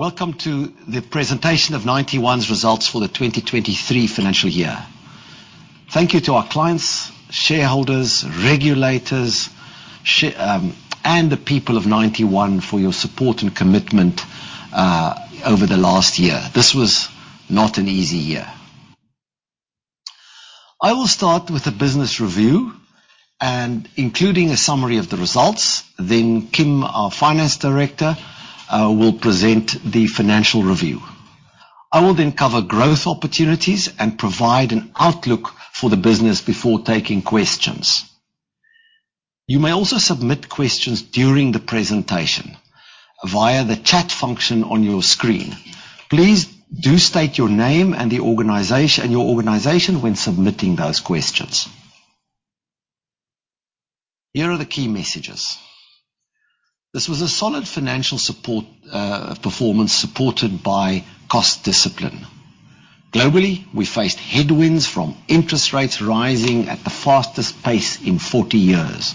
Welcome to the presentation of Ninety One's results for the 2023 financial year. Thank you to our clients, shareholders, regulators, and the people of Ninety One for your support and commitment over the last year. This was not an easy year. I will start with a business review and including a summary of the results. Kim, our Finance Director, will present the financial review. I will cover growth opportunities and provide an outlook for the business before taking questions. You may also submit questions during the presentation via the chat function on your screen. Please do state your name and your organization when submitting those questions. Here are the key messages. This was a solid financial performance supported by cost discipline. Globally, we faced headwinds from interest rates rising at the fastest pace in 40 years,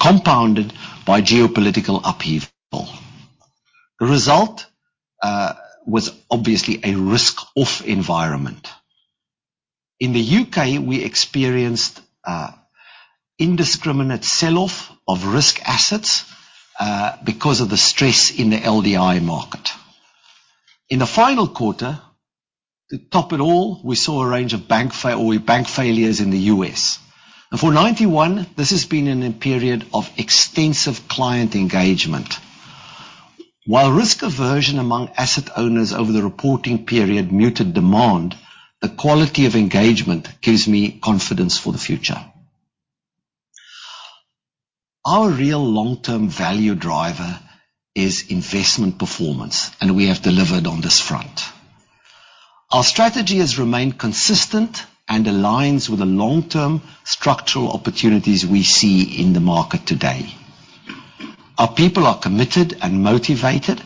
compounded by geopolitical upheaval. The result was obviously a risk of environment. In the U.K., we experienced indiscriminate sell-off of risk assets because of the stress in the LDI market. In the final quarter, to top it all, we saw a range of bank failures in the U.S. For Ninety One, this has been in a period of extensive client engagement. While risk aversion among asset owners over the reporting period muted demand, the quality of engagement gives me confidence for the future. Our real long-term value driver is investment performance, and we have delivered on this front. Our strategy has remained consistent and aligns with the long-term structural opportunities we see in the market today. Our people are committed and motivated,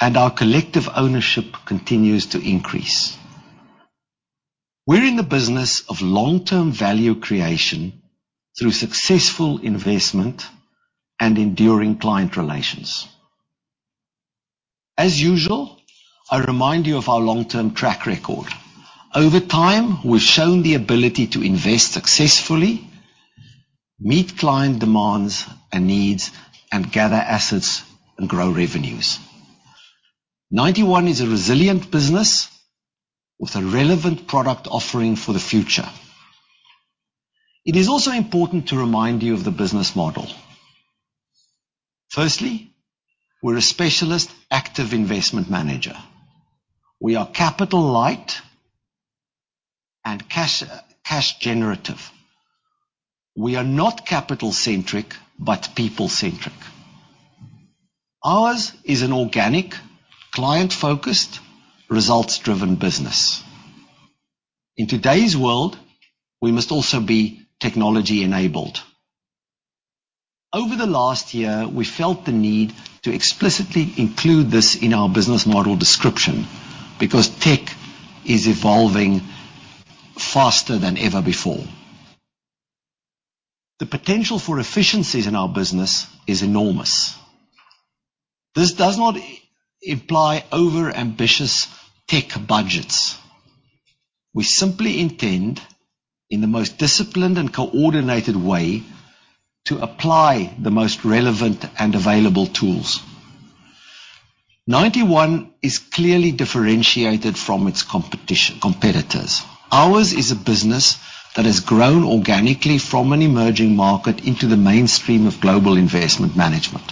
and our collective ownership continues to increase. We're in the business of long-term value creation through successful investment and enduring client relations. As usual, I remind you of our long-term track record. Over time, we've shown the ability to invest successfully, meet client demands and needs, and gather assets and grow revenues. Ninety One is a resilient business with a relevant product offering for the future. It is also important to remind you of the business model. Firstly, we're a specialist active investment manager. We are capital light and cash generative. We are not capital-centric, but people-centric. Ours is an organic, client-focused, results-driven business. In today's world, we must also be technology-enabled. Over the last year, we felt the need to explicitly include this in our business model description because tech is evolving faster than ever before. The potential for efficiencies in our business is enormous. This does not imply overambitious tech budgets. We simply intend, in the most disciplined and coordinated way, to apply the most relevant and available tools. Ninety One is clearly differentiated from its competitors. Ours is a business that has grown organically from an emerging market into the mainstream of global investment management.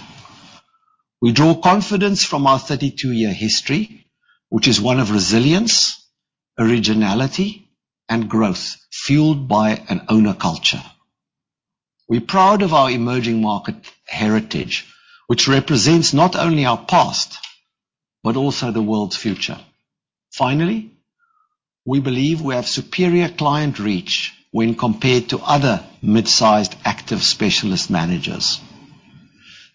We draw confidence from our 32-year history, which is one of resilience, originality, and growth, fueled by an owner culture. We're proud of our emerging market heritage, which represents not only our past but also the world's future. Finally, we believe we have superior client reach when compared to other mid-sized active specialist managers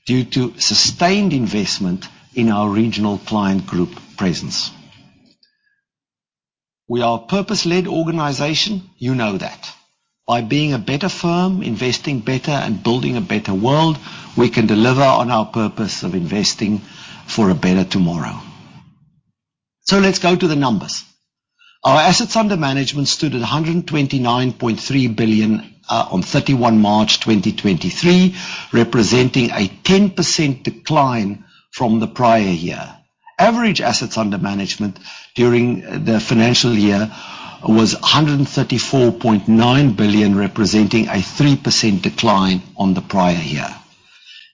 due to sustained investment in our regional client group presence. We are a purpose-led organization. You know that. By being a better firm, investing better, and building a better world, we can deliver on our purpose of investing for a better tomorrow. Let's go to the numbers. Our assets under management stood at 129.3 billion on 31 March 2023, representing a 10% decline from the prior year. Average assets under management during the financial year was 134.9 billion, representing a 3% decline on the prior year.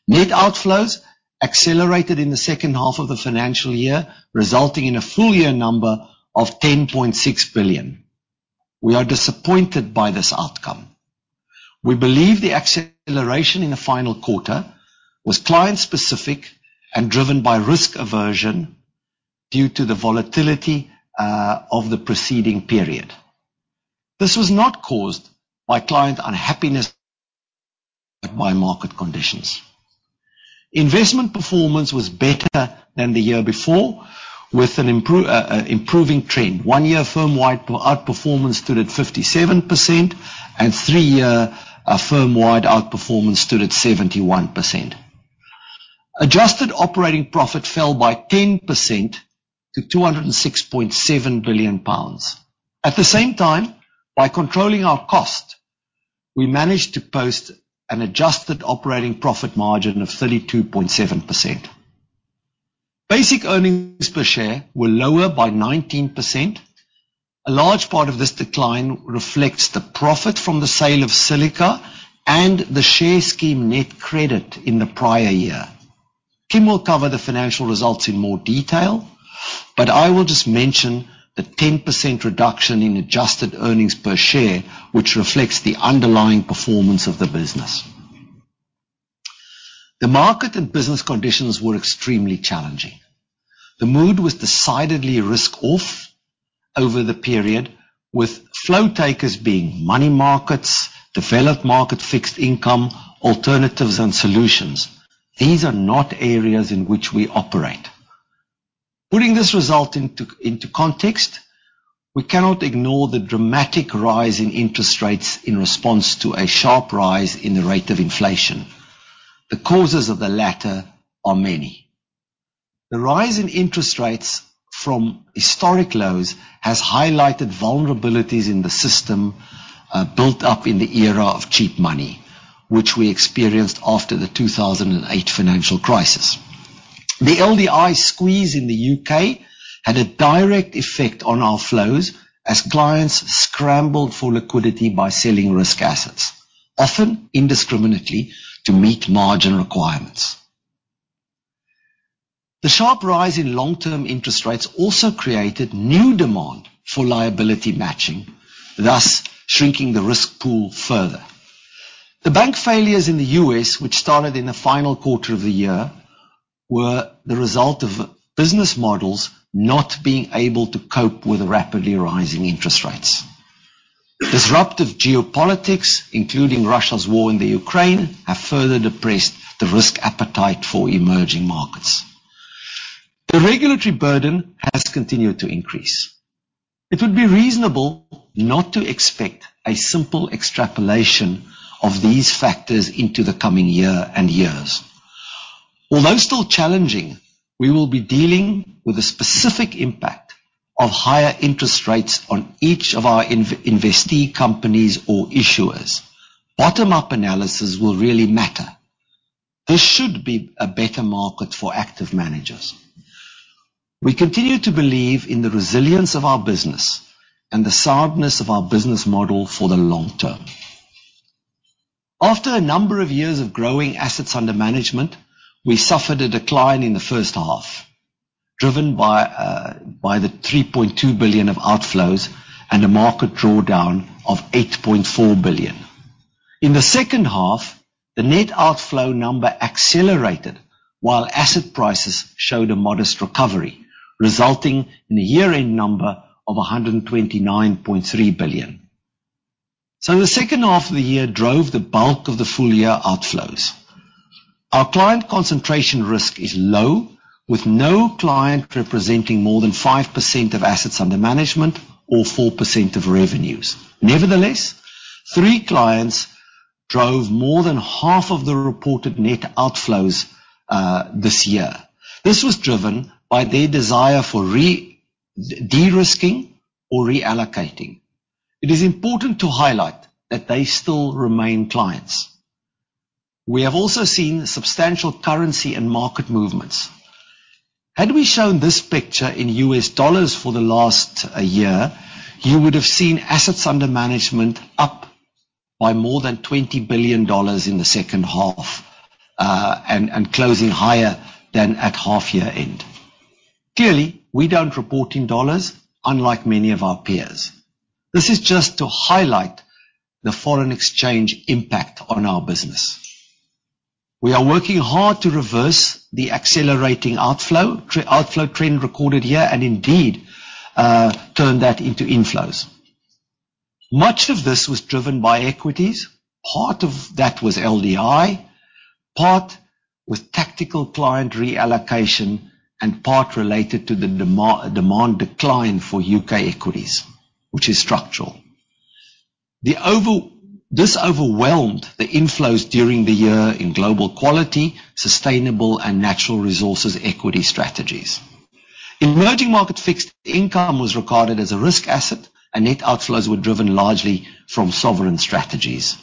Net outflows accelerated in the second half of the financial year, resulting in a full year number of 10.6 billion. We are disappointed by this outcome. We believe the acceleration in the final quarter was client specific and driven by risk aversion due to the volatility of the preceding period. This was not caused by client unhappiness but by market conditions. Investment performance was better than the year before, with an improving trend. One year firm-wide outperformance stood at 57%. Three year firm-wide outperformance stood at 71%. Adjusted operating profit fell by 10% to 206.7 million pounds. At the same time, by controlling our cost, we managed to post an adjusted operating profit margin of 32.7%. Basic earnings per share were lower by 19%. A large part of this decline reflects the profit from the sale of Silica and the share scheme net credit in the prior year. Kim will cover the financial results in more detail, but I will just mention the 10% reduction in adjusted earnings per share, which reflects the underlying performance of the business. The market and business conditions were extremely challenging. The mood was decidedly risk off over the period, with flow takers being money markets, developed market fixed income, alternatives and solutions. These are not areas in which we operate. Putting this result into context, we cannot ignore the dramatic rise in interest rates in response to a sharp rise in the rate of inflation. The causes of the latter are many. The rise in interest rates from historic lows has highlighted vulnerabilities in the system built up in the era of cheap money, which we experienced after the 2008 financial crisis. The LDI squeeze in the U.K. had a direct effect on our flows as clients scrambled for liquidity by selling risk assets, often indiscriminately, to meet margin requirements. The sharp rise in long-term interest rates also created new demand for liability matching, thus shrinking the risk pool further. The bank failures in the U.S., which started in the final quarter of the year, were the result of business models not being able to cope with rapidly rising interest rates. Disruptive geopolitics, including Russia's war in Ukraine, have further depressed the risk appetite for emerging markets. The regulatory burden has continued to increase. It would be reasonable not to expect a simple extrapolation of these factors into the coming year and years. Although still challenging, we will be dealing with the specific impact of higher interest rates on each of our investee companies or issuers. Bottom-up analysis will really matter. This should be a better market for active managers. We continue to believe in the resilience of our business and the soundness of our business model for the long term. After a number of years of growing AUM, we suffered a decline in the first half, driven by the 3.2 billion of outflows and a market drawdown of 8.4 billion. In the second half, the net outflow number accelerated while asset prices showed a modest recovery, resulting in a year-end number of 129.3 billion. The second half of the year drove the bulk of the full year outflows. Our client concentration risk is low, with no client representing more than 5% of AUM or 4% of revenues. Nevertheless, three clients drove more than half of the reported net outflows this year. This was driven by their desire for de-risking or reallocating. It is important to highlight that they still remain clients. We have also seen substantial currency and market movements. Had we shown this picture in U.S. dollars for the last year, you would have seen assets under management up by more than $20 billion in the second half, and closing higher than at half-year end. Clearly, we don't report in dollars, unlike many of our peers. This is just to highlight the foreign exchange impact on our business. We are working hard to reverse the accelerating outflow trend recorded here and indeed, turn that into inflows. Much of this was driven by equities. Part of that was LDI, part was tactical client reallocation, and part related to the demand decline for U.K. equities, which is structural. This overwhelmed the inflows during the year in Global Quality, sustainable and natural resources equity strategies. Emerging market fixed income was recorded as a risk asset, and net outflows were driven largely from sovereign strategies.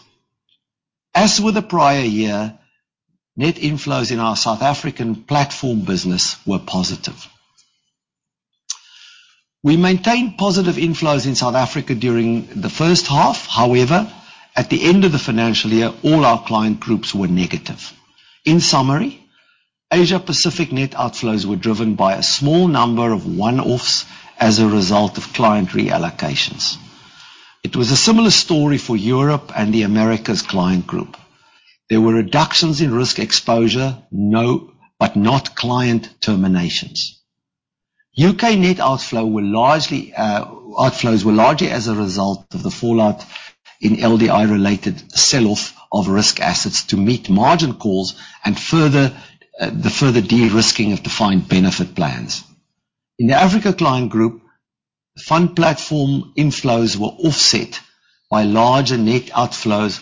As with the prior year, net inflows in our South African platform business were positive. We maintained positive inflows in South Africa during the first half. At the end of the financial year, all our client groups were negative. In summary, Asia Pacific net outflows were driven by a small number of one-offs as a result of client reallocations. It was a similar story for Europe and the Americas client group. There were reductions in risk exposure, but not client terminations. U.K. net outflow were largely, outflows were largely as a result of the fallout in LDI-related sell-off of risk assets to meet margin calls and further, the further de-risking of defined benefit plans. In the Africa client group, fund platform inflows were offset by larger net outflows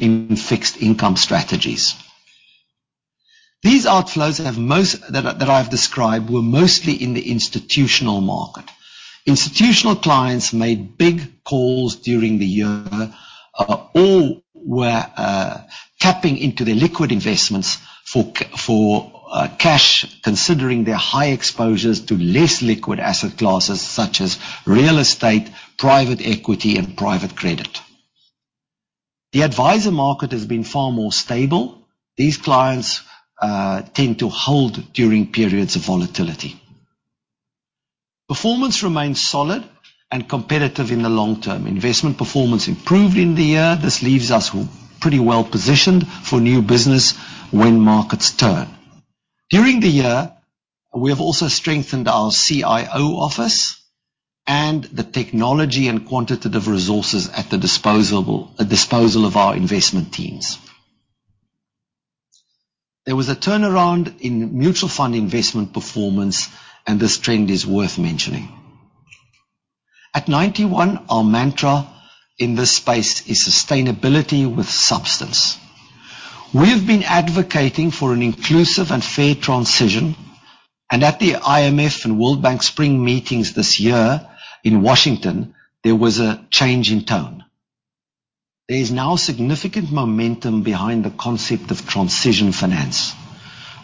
in fixed income strategies. These outflows I've described were mostly in the institutional market. Institutional clients made big calls during the year. All were tapping into their liquid investments for cash, considering their high exposures to less liquid asset classes such as real estate, private equity and private credit. The advisor market has been far more stable. These clients tend to hold during periods of volatility. Performance remains solid and competitive in the long term. Investment performance improved in the year. This leaves us pretty well positioned for new business when markets turn. During the year, we have also strengthened our CIO office and the technology and quantitative resources at disposal of our investment teams. There was a turnaround in mutual fund investment performance. This trend is worth mentioning. At Ninety One, our mantra in this space is sustainability with substance. We have been advocating for an inclusive and fair transition. At the IMF and World Bank Spring Meetings this year in Washington, there was a change in tone. There is now significant momentum behind the concept of transition finance.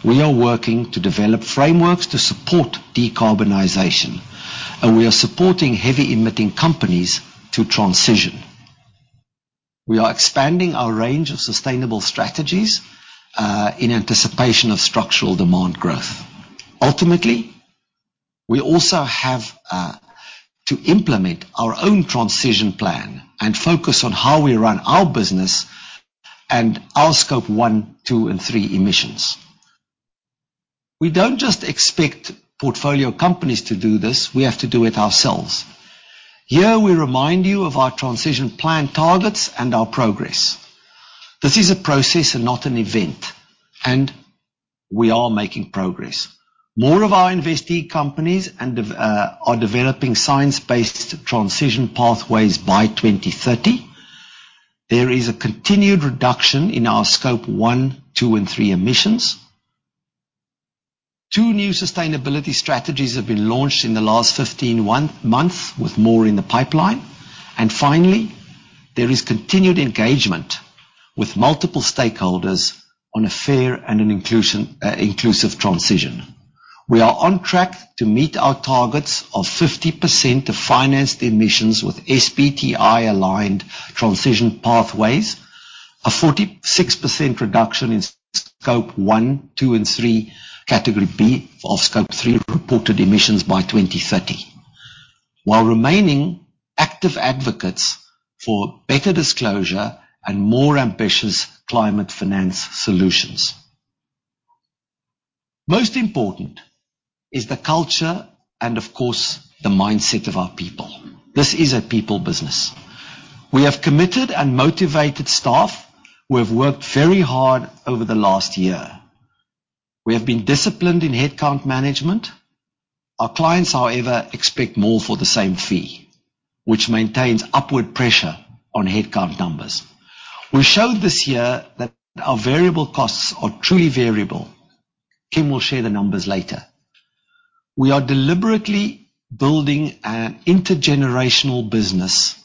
We are working to develop frameworks to support decarbonization. We are supporting heavy emitting companies to transition. We are expanding our range of sustainable strategies in anticipation of structural demand growth. Ultimately, we also have to implement our own transition plan and focus on how we run our business and our Scope 1, 2, and 3 emissions. We don't just expect portfolio companies to do this. We have to do it ourselves. Here we remind you of our transition plan targets and our progress. This is a process and not an event, and we are making progress. More of our investee companies and are developing Science-Based transition pathways by 2030. There is a continued reduction in our Scope 1, 2, and 3 emissions. Two new sustainability strategies have been launched in the last 15 on-months, with more in the pipeline. Finally, there is continued engagement with multiple stakeholders on a fair and an inclusive transition. We are on track to meet our targets of 50% of financed emissions with SBTi-aligned transition pathways, a 46% reduction in Scope 1, 2, and 3, Category B of Scope 3 reported emissions by 2030, while remaining active advocates for better disclosure and more ambitious climate finance solutions. Most important is the culture and of course, the mindset of our people. This is a people business. We have committed and motivated staff who have worked very hard over the last year. We have been disciplined in headcount management. Our clients, however, expect more for the same fee, which maintains upward pressure on headcount numbers. We showed this year that our variable costs are truly variable. Kim will share the numbers later. We are deliberately building an intergenerational business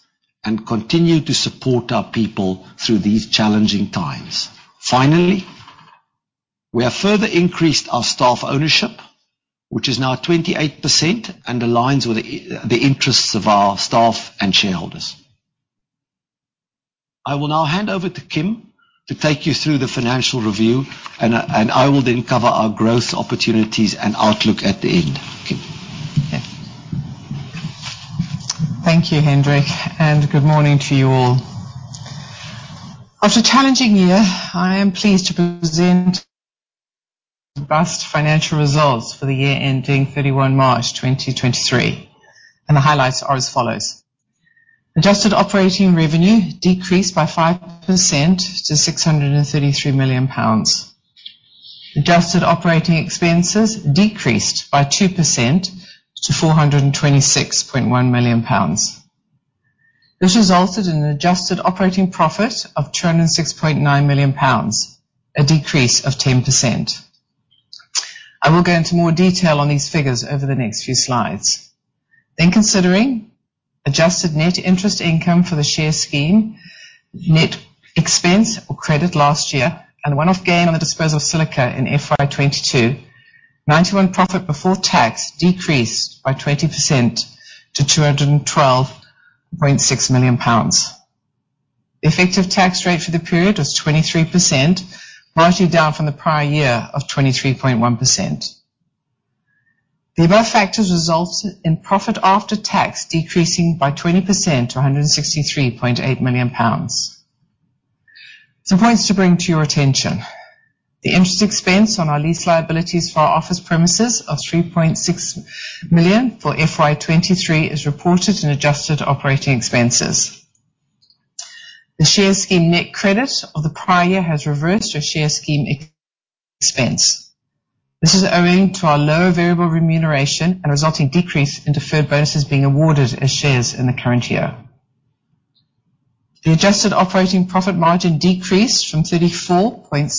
and continue to support our people through these challenging times. Finally, we have further increased our staff ownership, which is now 28% and aligns with the interests of our staff and shareholders. I will now hand over to Kim to take you through the financial review and I will then cover our growth opportunities and outlook at the end. Kim? Thank you, Hendrik, and good morning to you all. After a challenging year, I am pleased to present robust financial results for the year ending March 31st, 2023. The highlights are as follows: Adjusted operating revenue decreased by 5% to 633 million pounds. Adjusted operating expenses decreased by 2% to 426.1 million pounds. This resulted in an adjusted operating profit of 206.9 million pounds, a decrease of 10%. I will go into more detail on these figures over the next few slides. Considering adjusted net interest income for the share scheme, net expense or credit last year, and one-off gain on the disposal of Silica in FY 2022, Ninety One profit before tax decreased by 20% to 212.6 million pounds. The effective tax rate for the period was 23%, largely down from the prior year of 23.1%. The above factors resulted in profit after tax decreasing by 20% to 163.8 million pounds. Some points to bring to your attention. The interest expense on our lease liabilities for our office premises of 3.6 million for FY 2023 is reported in adjusted operating expenses. The share scheme net credit of the prior year has reversed our share scheme net expense. This is owing to our lower variable remuneration and resulting decrease in deferred bonuses being awarded as shares in the current year. The adjusted operating profit margin decreased from 34.7%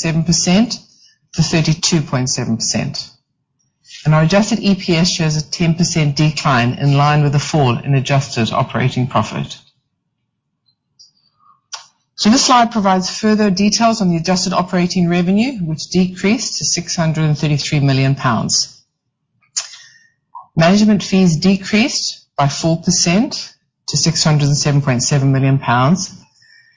to 32.7%. Our adjusted EPS shows a 10% decline in line with the fall in adjusted operating profit. This slide provides further details on the adjusted operating revenue, which decreased to 633 million pounds. Management fees decreased by 4% to 607.7 million pounds,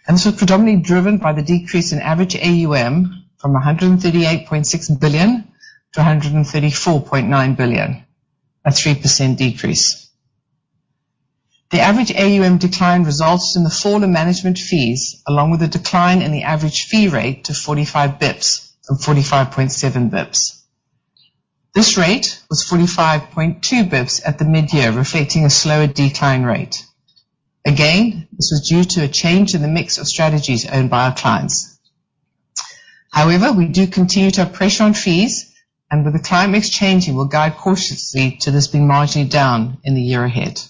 this was predominantly driven by the decrease in average AUM from 138.6 billion to 134.9 billion. A 3% decrease. The average AUM decline results in the fall in management fees, along with a decline in the average fee rate to 45 basis points from 45.7 basis points. This rate was 45.2 basis points at the mid-year, reflecting a slower decline rate. Again, this was due to a change in the mix of strategies owned by our clients. We do continue to have pressure on fees and with the client mix changing, we'll guide cautiously to this being marginally down in the year ahead.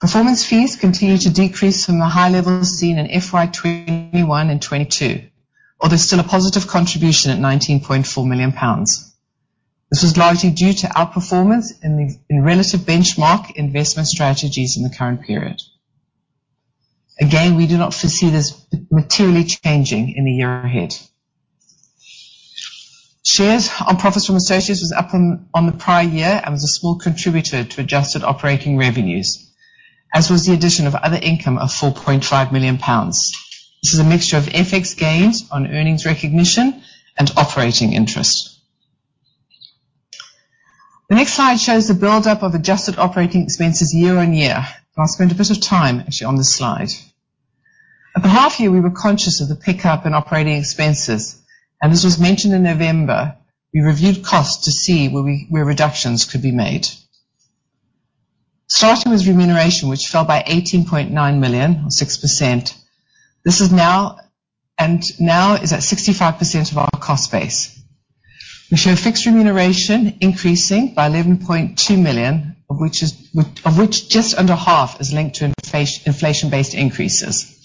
Performance fees continue to decrease from the high levels seen in FY 2021 and FY 2022, although still a positive contribution at 19.4 million pounds. This was largely due to outperformance in relative benchmark investment strategies in the current period. Again, we do not foresee this materially changing in the year ahead. Shares on profits from associates was up on the prior year and was a small contributor to adjusted operating revenues. As was the addition of other income of 4.5 million pounds. This is a mixture of FX gains on earnings recognition and operating interest. The next slide shows the buildup of adjusted operating expenses year on year. I'll spend a bit of time actually on this slide. At the half-year, we were conscious of the pickup in operating expenses, and this was mentioned in November. We reviewed costs to see where reductions could be made. Starting with remuneration, which fell by 18.9 million or 6%. Now is at 65% of our cost base. We show fixed remuneration increasing by 11.2 million, which is of which just under half is linked to inflation-based increases.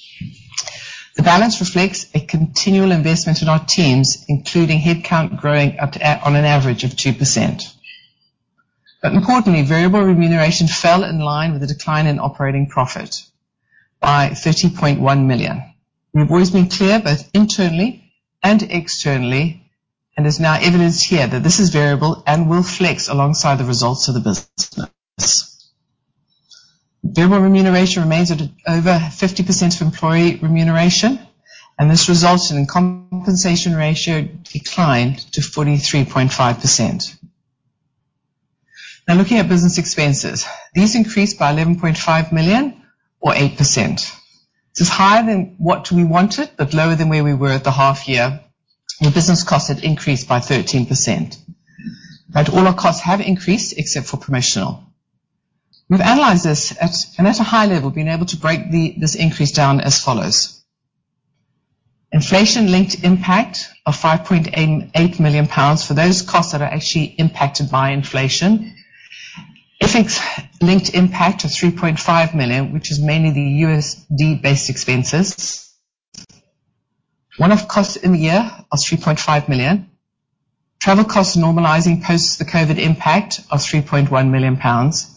The balance reflects a continual investment in our teams, including headcount growing on an average of 2%. Importantly, variable remuneration fell in line with the decline in operating profit by 30.1 million. We've always been clear, both internally and externally, and there's now evidence here that this is variable and will flex alongside the results of the business. Variable remuneration remains at over 50% of employee remuneration, and this results in compensation ratio declined to 43.5%. Looking at business expenses. These increased by 11.5 million or 8%. This is higher than what we wanted, but lower than where we were at the half-year, where business costs had increased by 13%. All our costs have increased except for promotional. We've analyzed this at, and at a high level, been able to break this increase down as follows. Inflation-linked impact of 5.8 million pounds for those costs that are actually impacted by inflation. FX-linked impact of $3.5 million, which is mainly the USD-based expenses. One-off cost in the year of 3.5 million. Travel costs normalizing post the COVID impact of 3.1 million pounds.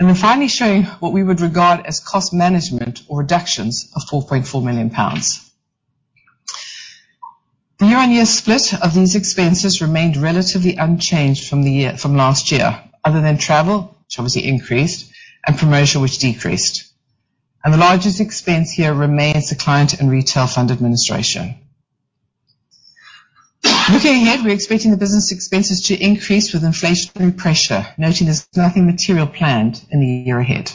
We're finally showing what we would regard as cost management or reductions of 4.4 million pounds. The year-on-year split of these expenses remained relatively unchanged from last year, other than travel, which obviously increased, and promotion which decreased. The largest expense here remains the client and retail fund administration. Looking ahead, we're expecting the business expenses to increase with inflationary pressure, noting there's nothing material planned in the year ahead.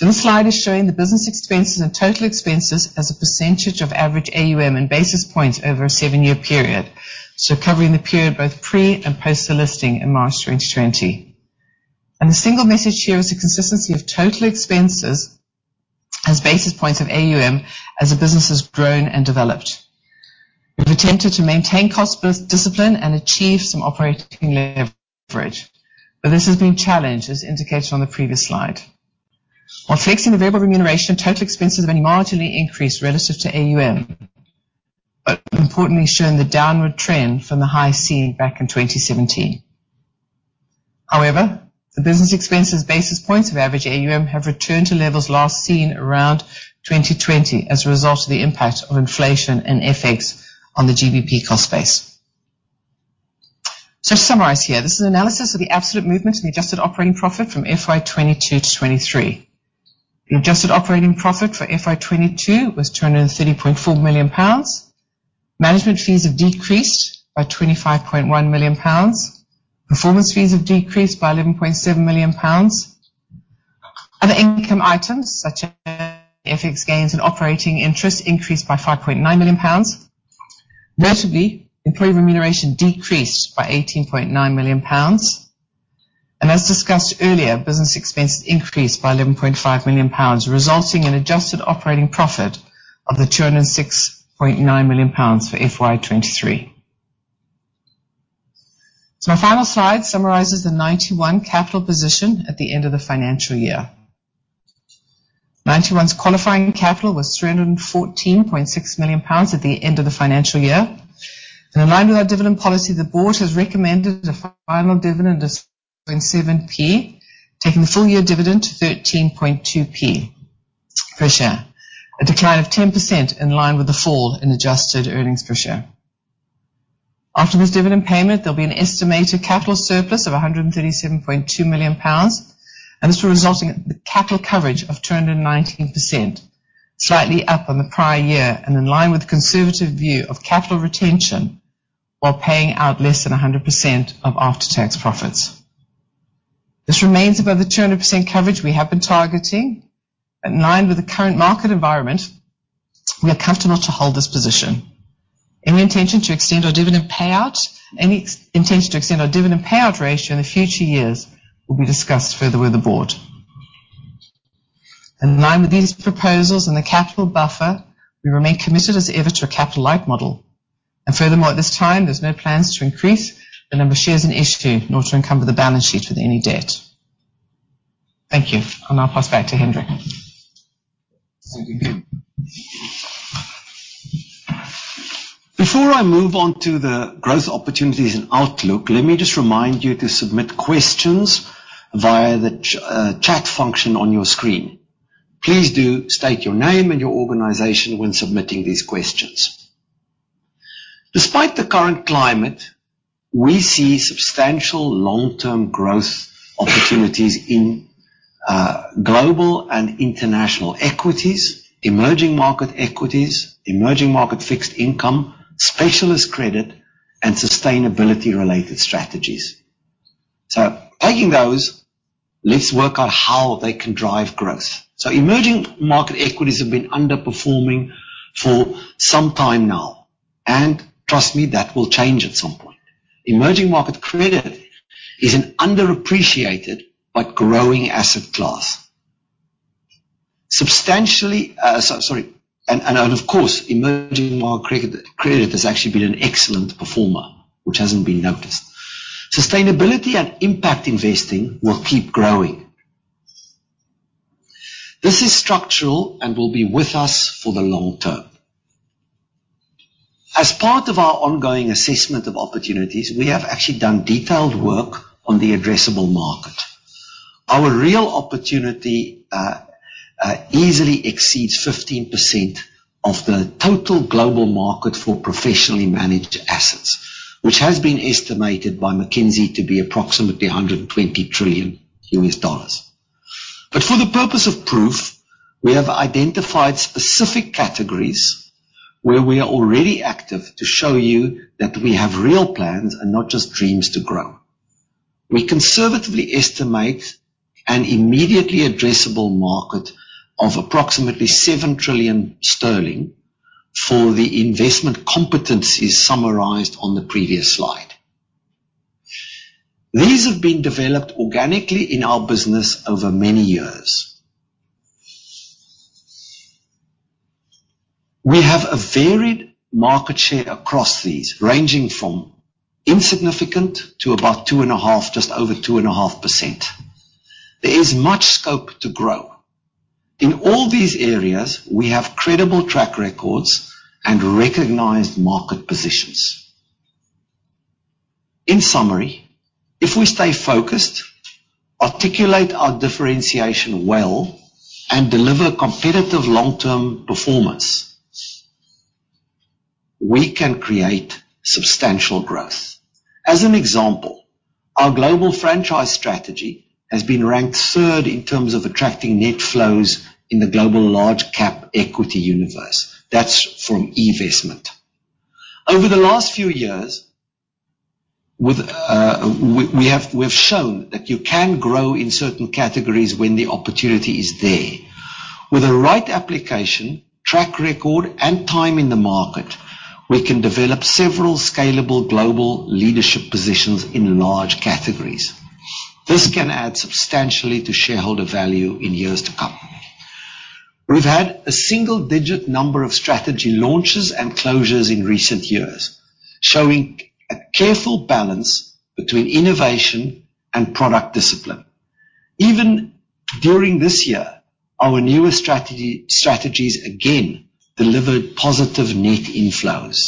This slide is showing the business expenses and total expenses as a % of average AUM and basis points over a seven-year period. Covering the period both pre and post the listing in March 2020. The single message here is the consistency of total expenses as basis points of AUM as the business has grown and developed. We've attempted to maintain cost base discipline and achieve some operating leverage, but this has been challenged, as indicated on the previous slide. While fixing the variable remuneration, total expenses have been marginally increased relative to AUM, but importantly shown the downward trend from the high seen back in 2017. The business expenses basis points of average AUM have returned to levels last seen around 2020 as a result of the impact of inflation and FX on the GBP cost base. To summarize here, this is analysis of the absolute movement in the adjusted operating profit from FY 2022 to FY 20 2023. The adjusted operating profit for FY 2022 was 230.4 million pounds. Management fees have decreased by 25.1 million pounds. Performance fees have decreased by 11.7 million pounds. Other income items such as FX gains and operating interest increased by 5.9 million pounds. Notably, employee remuneration decreased by 18.9 million pounds. As discussed earlier, business expenses increased by 11.5 million pounds, resulting in adjusted operating profit of the 206.9 million pounds for FY 2023. My final slide summarizes the Ninety One capital position at the end of the financial year. Ninety One's qualifying capital was 314.6 million pounds at the end of the financial year. In line with our dividend policy, the board has recommended a final dividend of 7p, taking the full year dividend to 13.2p per share, a decline of 10% in line with the fall in adjusted EPS. After this dividend payment, there'll be an estimated capital surplus of 137.2 million pounds, and this will result in the capital coverage of 219%, slightly up on the prior year and in line with the conservative view of capital retention while paying out less than 100% of after-tax profits. This remains above the 200% coverage we have been targeting. In line with the current market environment, we are comfortable to hold this position. Any intention to extend our dividend payout ratio in the future years will be discussed further with the board. In line with these proposals and the capital buffer, we remain committed as ever to a capital light model. Furthermore, at this time there's no plans to increase the number of shares in issue, nor to encumber the balance sheet with any debt. Thank you. I'll now pass back to Hendrik. Thank you. Before I move on to the growth opportunities and outlook, let me just remind you to submit questions via the chat function on your screen. Please do state your name and your organization when submitting these questions. Despite the current climate, we see substantial long-term growth opportunities in global and international equities, emerging market equities, emerging market fixed income, specialist credit, and sustainability related strategies. Taking those, let's work out how they can drive growth. Emerging market equities have been underperforming for some time now, trust me, that will change at some point. Emerging market credit is an underappreciated but growing asset class. Sorry. Of course, emerging market credit has actually been an excellent performer, which hasn't been noticed. Sustainability and impact investing will keep growing. This is structural and will be with us for the long term. As part of our ongoing assessment of opportunities, we have actually done detailed work on the addressable market. Our real opportunity easily exceeds 15% of the total global market for professionally managed assets, which has been estimated by McKinsey to be approximately $120 trillion. For the purpose of proof, we have identified specific categories where we are already active to show you that we have real plans and not just dreams to grow. We conservatively estimate an immediately addressable market of approximately 7 trillion sterling for the investment competencies summarized on the previous slide. These have been developed organically in our business over many years. We have a varied market share across these, ranging from insignificant to just over 2.5%. There is much scope to grow. In all these areas, we have credible track records and recognized market positions. In summary, if we stay focused, articulate our differentiation well, and deliver competitive long-term performance, we can create substantial growth. As an example, our Global Franchise strategy has been ranked 3rd in terms of attracting net flows in the global large cap equity universe. That's from investment. Over the last few years with, we have shown that you can grow in certain categories when the opportunity is there. With the right application, track record, and time in the market, we can develop several scalable global leadership positions in large categories. This can add substantially to shareholder value in years to come. We've had a single-digit number of strategy launches and closures in recent years, showing a careful balance between innovation and product discipline. Even during this year, our newest strategies again delivered positive net inflows.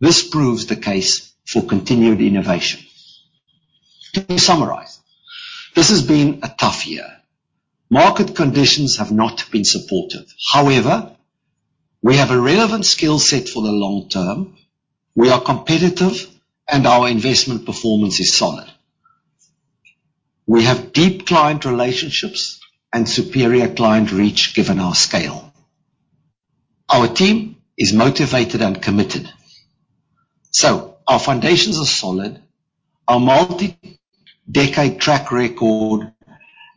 This proves the case for continued innovation. To summarize, this has been a tough year. Market conditions have not been supportive. However, we have a relevant skill set for the long term. We are competitive and our investment performance is solid. We have deep client relationships and superior client reach, given our scale. Our team is motivated and committed. Our foundations are solid. Our multi-decade track record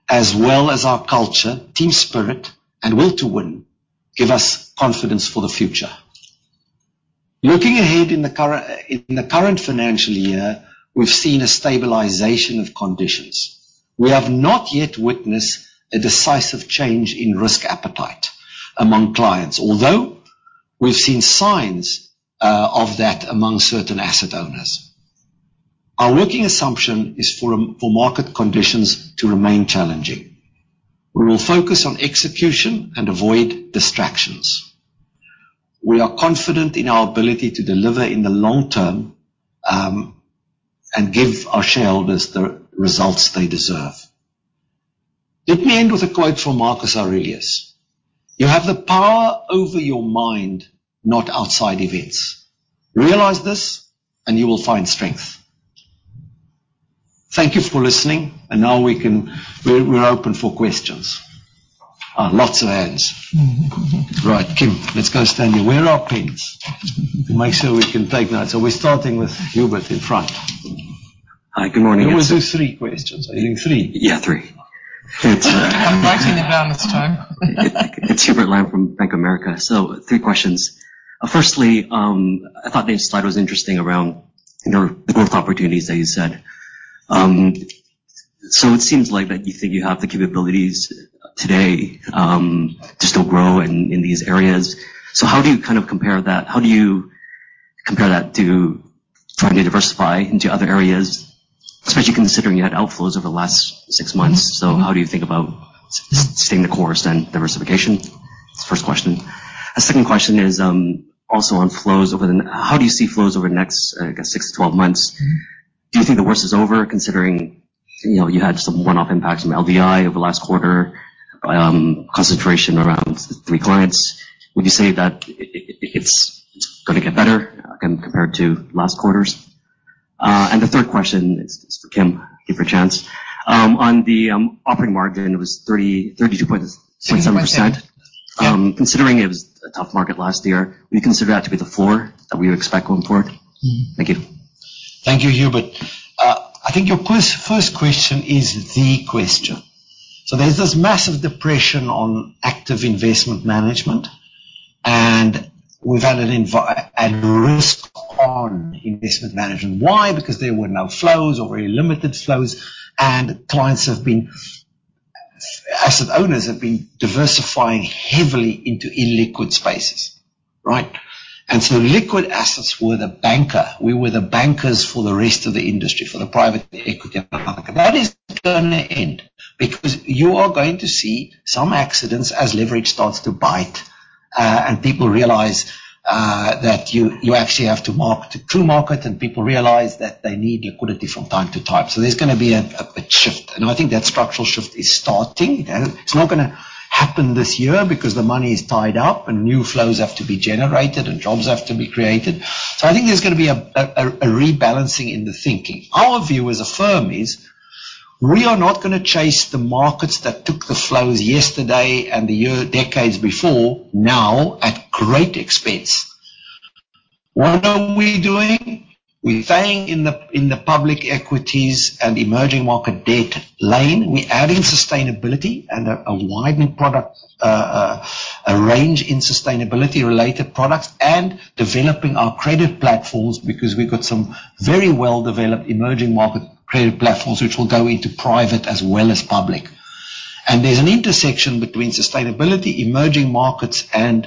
as well as our culture, team spirit, and will to win, give us confidence for the future. Looking ahead in the current financial year, we've seen a stabilization of conditions. We have not yet witnessed a decisive change in risk appetite among clients. Although, we've seen signs of that among certain asset owners. Our working assumption is for market conditions to remain challenging. We will focus on execution and avoid distractions. We are confident in our ability to deliver in the long term and give our shareholders the results they deserve. Let me end with a quote from Marcus Aurelius: "You have the power over your mind, not outside events. Realize this, and you will find strength." Thank you for listening. Now we're open for questions. Lots of hands. Kim, let's go stand here. Where are our pens? Make sure we can take notes. We're starting with Hubert in front. Hi, good morning. Hubert, there's three questions. I think three. Yeah, three. It's I'm writing it down this time. It's Hubert Lam from Bank of America. Three questions. Firstly, I thought the slide was interesting around the growth opportunities that you said. It seems like that you think you have the capabilities today to still grow in these areas. How do you kind of compare that? How do you compare that to trying to diversify into other areas, especially considering you had outflows over the last six months. How do you think about staying the course and diversification? That's the first question. A second question is also on flows. How do you see flows over the next, I guess, six to 12 months? Mm-hmm. Do you think the worst is over, considering, you know, you had some one-off impacts from LDI over the last quarter, concentration around three clients? Would you say that it's gonna get better again compared to last quarters? The third question is for Kim, if you a chance. On the operating margin, it was 32.7%. Considering it was a tough market last year, would you consider that to be the floor that we would expect going forward? Thank you. Thank you, Hubert. I think your first question is the question. There's this massive depression on active investment management, and we've had at risk on investment management. Why? Because there were no flows or very limited flows, and asset owners have been diversifying heavily into illiquid spaces, right? Liquid assets were the banker. We were the bankers for the rest of the industry, for the private equity market. That is gonna end because you are going to see some accidents as leverage starts to bite, and people realize that you actually have to mark to true market, and people realize that they need liquidity from time to time. There's gonna be a shift. I think that structural shift is starting. It's not gonna happen this year because the money is tied up and new flows have to be generated and jobs have to be created. I think there's gonna be a rebalancing in the thinking. Our view as a firm is we are not gonna chase the markets that took the flows yesterday and the year, decades before now at great expense. What are we doing? We're staying in the public equities and emerging market debt lane. We're adding sustainability and a widening product a range in sustainability related products and developing our credit platforms because we've got some very well-developed emerging market credit platforms which will go into private as well as public. There's an intersection between sustainability, emerging markets, and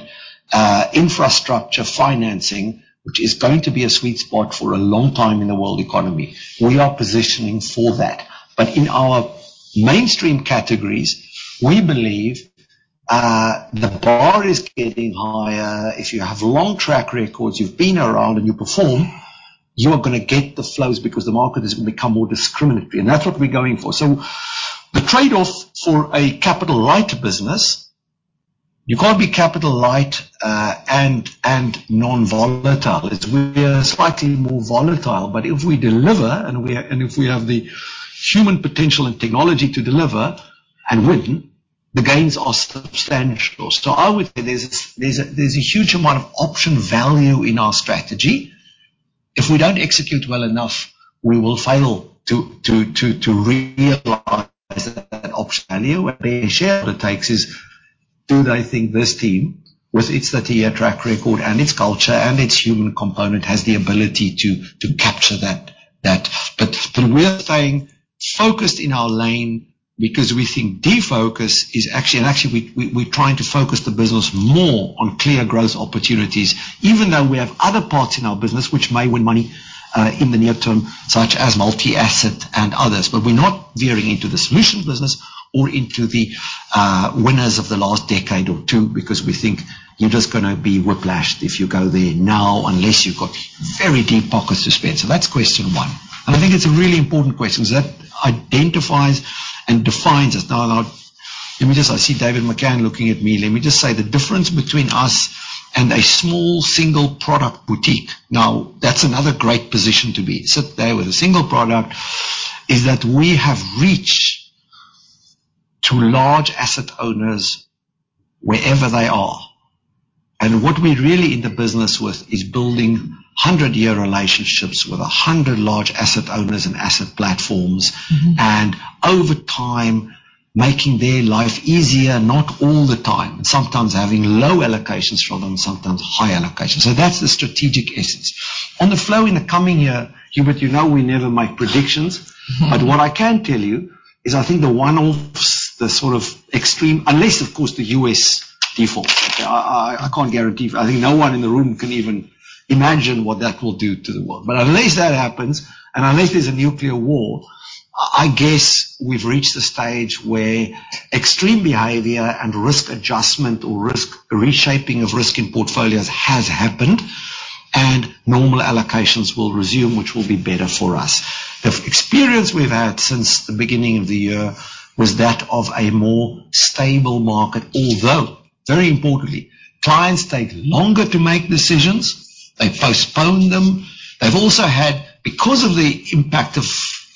infrastructure financing, which is going to be a sweet spot for a long time in the world economy. We are positioning for that. In our mainstream categories, we believe the bar is getting higher. If you have long track records, you've been around and you perform, you are gonna get the flows because the market has become more discriminatory, and that's what we're going for. The trade-off for a capital light business, you can't be capital light and non-volatile. We are slightly more volatile. If we deliver and if we have the human potential and technology to deliver and win, the gains are substantial. I would say there's a huge amount of option value in our strategy. If we don't execute well enough, we will fail to realize that option value. What share it takes is, do they think this team with its 30-year track record and its culture and its human component has the ability to capture that. We're staying focused in our lane because we think defocus is actually. Actually we're trying to focus the business more on clear growth opportunities, even though we have other parts in our business which may win money in the near term, such as multi-asset and others. We're not veering into the solutions business or into the winners of the last decade or two because we think you're just gonna be whiplashed if you go there now unless you've got very deep pockets to spend. That's question 1. I think it's a really important question because that identifies and defines us. Now, let me just. I see David McCann looking at me. Let me just say the difference between us and a small single product boutique. That's another great position to be. Sit there with a single product. Is that we have reach to large asset owners wherever they are. What we're really in the business with is building 100-year relationships with 100 large asset owners and asset platforms. Mm-hmm. Over time, making their life easier, not all the time. Sometimes having low allocations from them, sometimes high allocations. That's the strategic essence. On the flow in the coming year, Hubert, you know we never make predictions. Mm-hmm. What I can tell you is, I think the one-offs, the sort of extreme... Unless, of course, the U.S. defaults. I can't guarantee. I think no one in the room can even imagine what that will do to the world. Unless that happens, and unless there's a nuclear war, I guess we've reached the stage where extreme behavior and risk adjustment or risk, reshaping of risk in portfolios has happened, and normal allocations will resume, which will be better for us. The experience we've had since the beginning of the year was that of a more stable market. Although, very importantly, clients take longer to make decisions. They postpone them. They've also had, because of the impact of,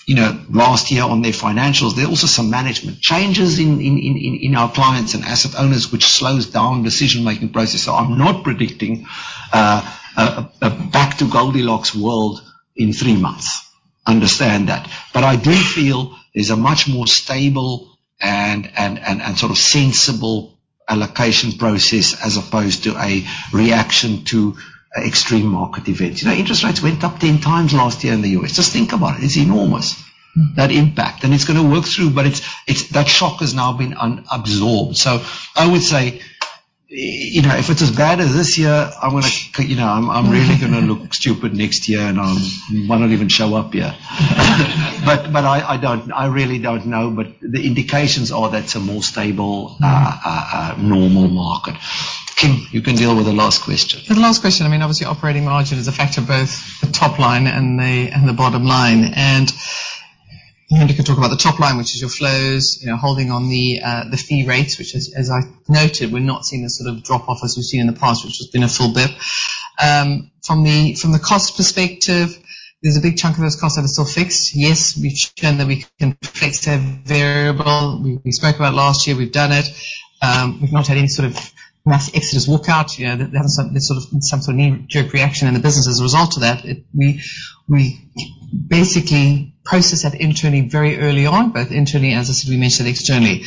you know, last year on their financials, there are also some management changes in our clients and asset owners, which slows down decision-making process. I'm not predicting a back to Goldilocks world in three months. Understand that. I do feel there's a much more stable and sort of sensible allocation process as opposed to a reaction to extreme market events. You know, interest rates went up 10x last year in the U.S. Just think about it. It's enormous. Mm. that impact. It's gonna work through, but it's that shock has now been absorbed. I would say, you know, if it's as bad as this year, you know, I'm really gonna look stupid next year, and I'll wanna even show up here. I don't, I really don't know. The indications are that's a more stable, normal market. Kim, you can deal with the last question. The last question, I mean, obviously operating margin is a factor both the top line and the bottom line. You know we can talk about the top line, which is your flows. You know, holding on the fee rates, which as I've noted, we're not seeing the sort of drop-off as we've seen in the past, which has been a full basis points. From the cost perspective, there's a big chunk of those costs that are still fixed. Yes, we've shown that we can flex to variable. We spoke about last year. We've done it. We've not had any sort of mass exodus walk out. You know, there hasn't been sort of knee-jerk reaction in the business as a result of that. We basically process that internally very early on, both internally, as I said, we mentioned externally.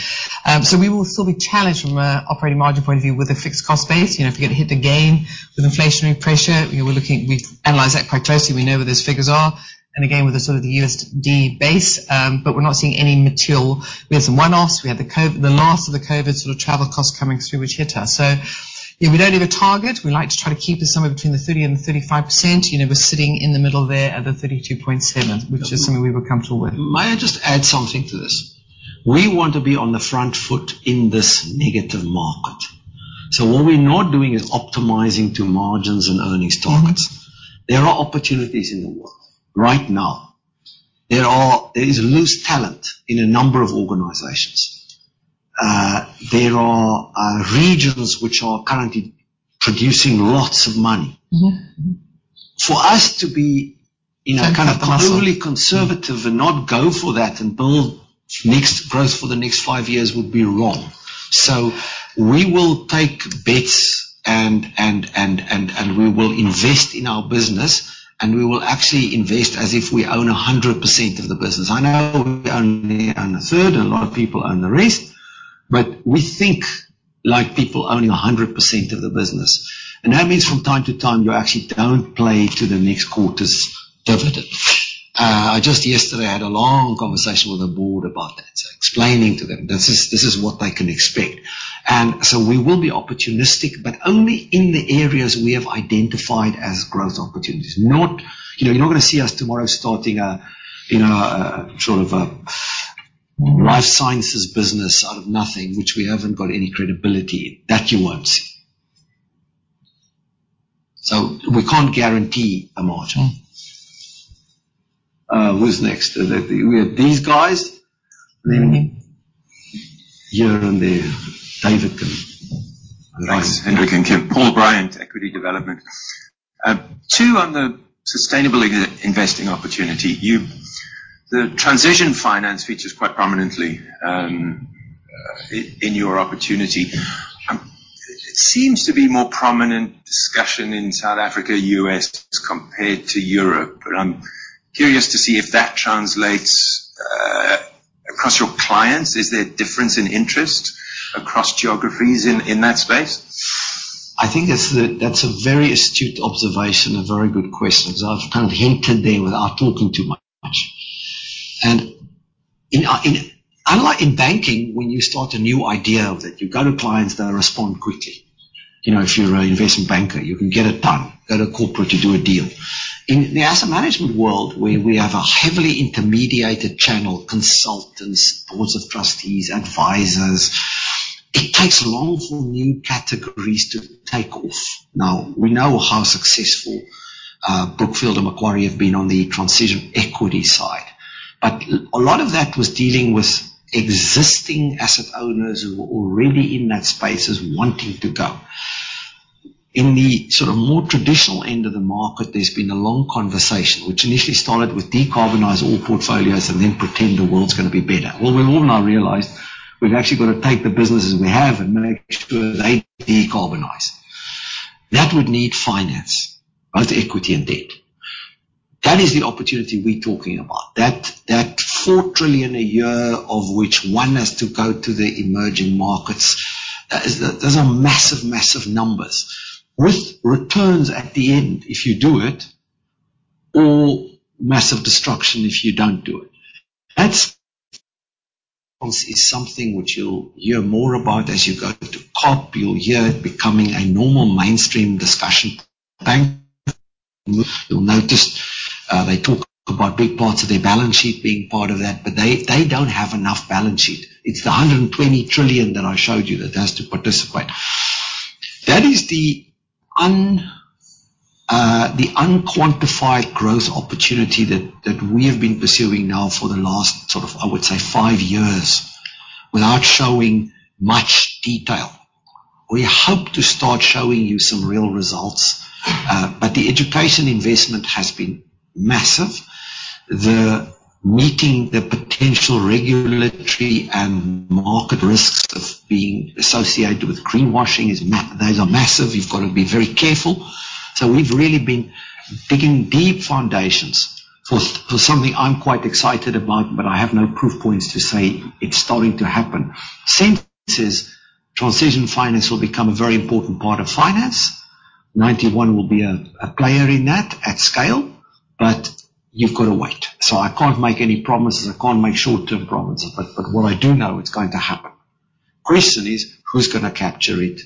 We will still be challenged from a operating margin point of view with a fixed cost base. You know, if you get hit again with inflationary pressure, you know, we've analyzed that quite closely. We know where those figures are. Again, with the sort of the USD base, we're not seeing any material. We had some one-offs. We had the last of the COVID sort of travel costs coming through, which hit us. Yeah, we don't give a target. We like to try to keep it somewhere between the 30% and the 35%. You know, we're sitting in the middle there at the 32.7%, which is something we were comfortable with. May I just add something to this? We want to be on the front foot in this negative market. What we're not doing is optimizing to margins and earnings targets. Mm-hmm. There are opportunities in the world right now. There is loose talent in a number of organizations. There are regions which are currently producing lots of money. Mm-hmm. For us to be, you know, kind of totally conservative and not go for that and build next growth for the next five years would be wrong. We will take bets and we will invest in our business, and we will actually invest as if we own 100% of the business. I know we only own a third and a lot of people own the rest, but we think like people owning 100% of the business. That means from time to time, you actually don't play to the next quarter's dividend. I just yesterday had a long conversation with the board about that, explaining to them this is what they can expect. We will be opportunistic, but only in the areas we have identified as growth opportunities. Not. You know, you're not gonna see us tomorrow starting a, you know, a sort of a life sciences business out of nothing, which we haven't got any credibility. That you won't see. We can't guarantee a margin. Mm-hmm. Who's next? We have these guys. Here and there. David. Thanks, Hendrik and Kim. Paul Bryant, Equity Development. Two on the sustainable investing opportunity. The transition finance features quite prominently in your opportunity. It seems to be more prominent discussion in South Africa, U.S. as compared to Europe. I'm curious to see if that translates across your clients. Is there a difference in interest across geographies in that space? I think that's a very astute observation. A very good question, because I've kind of hinted there without talking too much. You know, unlike in banking, when you start a new idea of that, you go to clients, they'll respond quickly. You know, if you're an investment banker, you can get it done, go to corporate to do a deal. In the asset management world, where we have a heavily intermediated channel, consultants, boards of trustees, advisors, it takes long for new categories to take off. We know how successful Brookfield and Macquarie have been on the transition equity side. A lot of that was dealing with existing asset owners who were already in that space as wanting to go. In the sort of more traditional end of the market, there's been a long conversation, which initially started with decarbonize all portfolios and then pretend the world's gonna be better. Well, we've all now realized. We've actually got to take the businesses we have and make sure they decarbonize. That would need finance, both equity and debt. That is the opportunity we're talking about. That $4 trillion a year, of which one has to go to the emerging markets. Those are massive numbers with returns at the end if you do it, or massive destruction if you don't do it. That's something which you'll hear more about as you go to COP. You'll hear it becoming a normal mainstream discussion. Banks, you'll notice, they talk about big parts of their balance sheet being part of that, but they don't have enough balance sheet. It's the 120 trillion that I showed you that has to participate. That is the unquantified growth opportunity that we have been pursuing now for the last sort of, I would say five years, without showing much detail. We hope to start showing you some real results. But the education investment has been massive. The meeting, the potential regulatory and market risks of being associated with greenwashing. Those are massive. You've got to be very careful. we've really been digging deep foundations for something I'm quite excited about, but I have no proof points to say it's starting to happen. Sense is transition finance will become a very important part of finance. Ninety One will be a player in that at scale, but you've got to wait. I can't make any promises. I can't make short-term promises, but what I do know it's going to happen. Question is, who's gonna capture it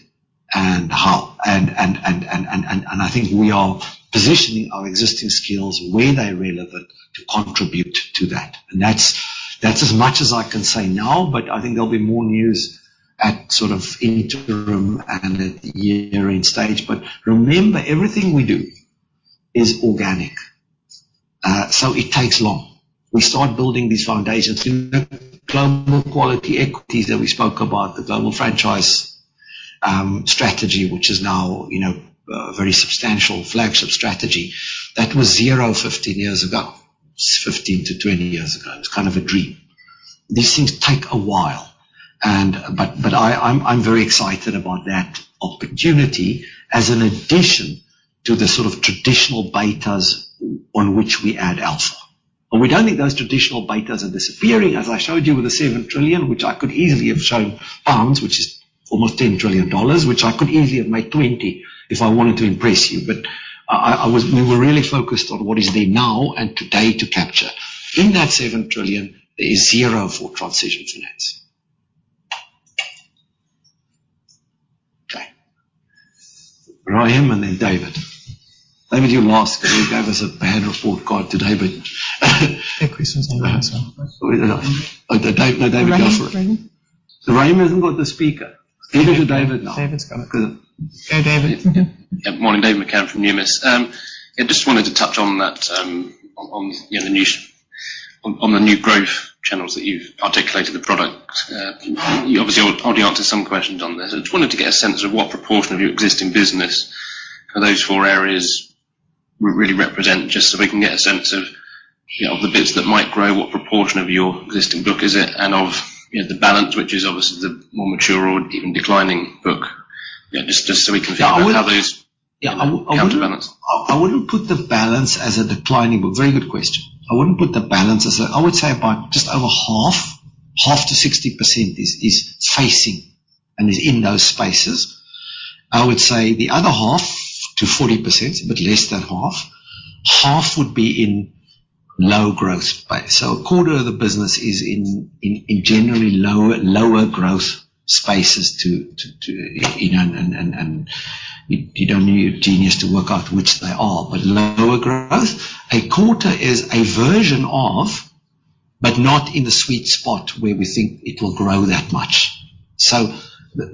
and how? I think we are positioning our existing skills where they're relevant to contribute to that. That's as much as I can say now, but I think there'll be more news at sort of interim and at the year-end stage. Remember, everything we do is organic. It takes long. We start building these foundations. Global Quality equities that we spoke about, the Global Franchise strategy, which is now, you know, a very substantial flagship strategy. That was 0 1five years ago. 15 to 20 years ago. It's kind of a dream. These things take a while, but I'm very excited about that opportunity as an addition to the sort of traditional betas on which we add alpha. We don't think those traditional betas are disappearing, as I showed you with the 7 trillion, which I could easily have shown pounds, which is almost $10 trillion, which I could easily have made 20 if I wanted to impress you. We were really focused on what is there now and today to capture. In that 7 trillion, there is 0 for transition finance. Ryan and then David. David, you asked, gave us a bad report card today, but. That question's never been asked. No, David, go for it. Ryan? Ryan? Ryan hasn't got the speaker. Either to David now. David's got it. Go, David. Yeah. Morning, David McCann from Numis. Yeah, just wanted to touch on that, on, you know, the new growth channels that you've articulated the product. You obviously already answered some questions on this. I just wanted to get a sense of what proportion of your existing business are those four areas really represent, just so we can get a sense of, you know, the bits that might grow, what proportion of your existing book is it, and of, you know, the balance, which is obviously the more mature or even declining book. You know, just so we can figure out how those- I would- How to balance. I wouldn't put the balance as a declining book. Very good question. I would say about just over half to 60% is facing and is in those spaces. I would say the other half to 40%, but less than half would be in low growth space. A quarter of the business is in generally lower growth spaces to, you know, and you don't need a genius to work out which they are. Lower growth, a quarter is a version of, but not in the sweet spot where we think it will grow that much.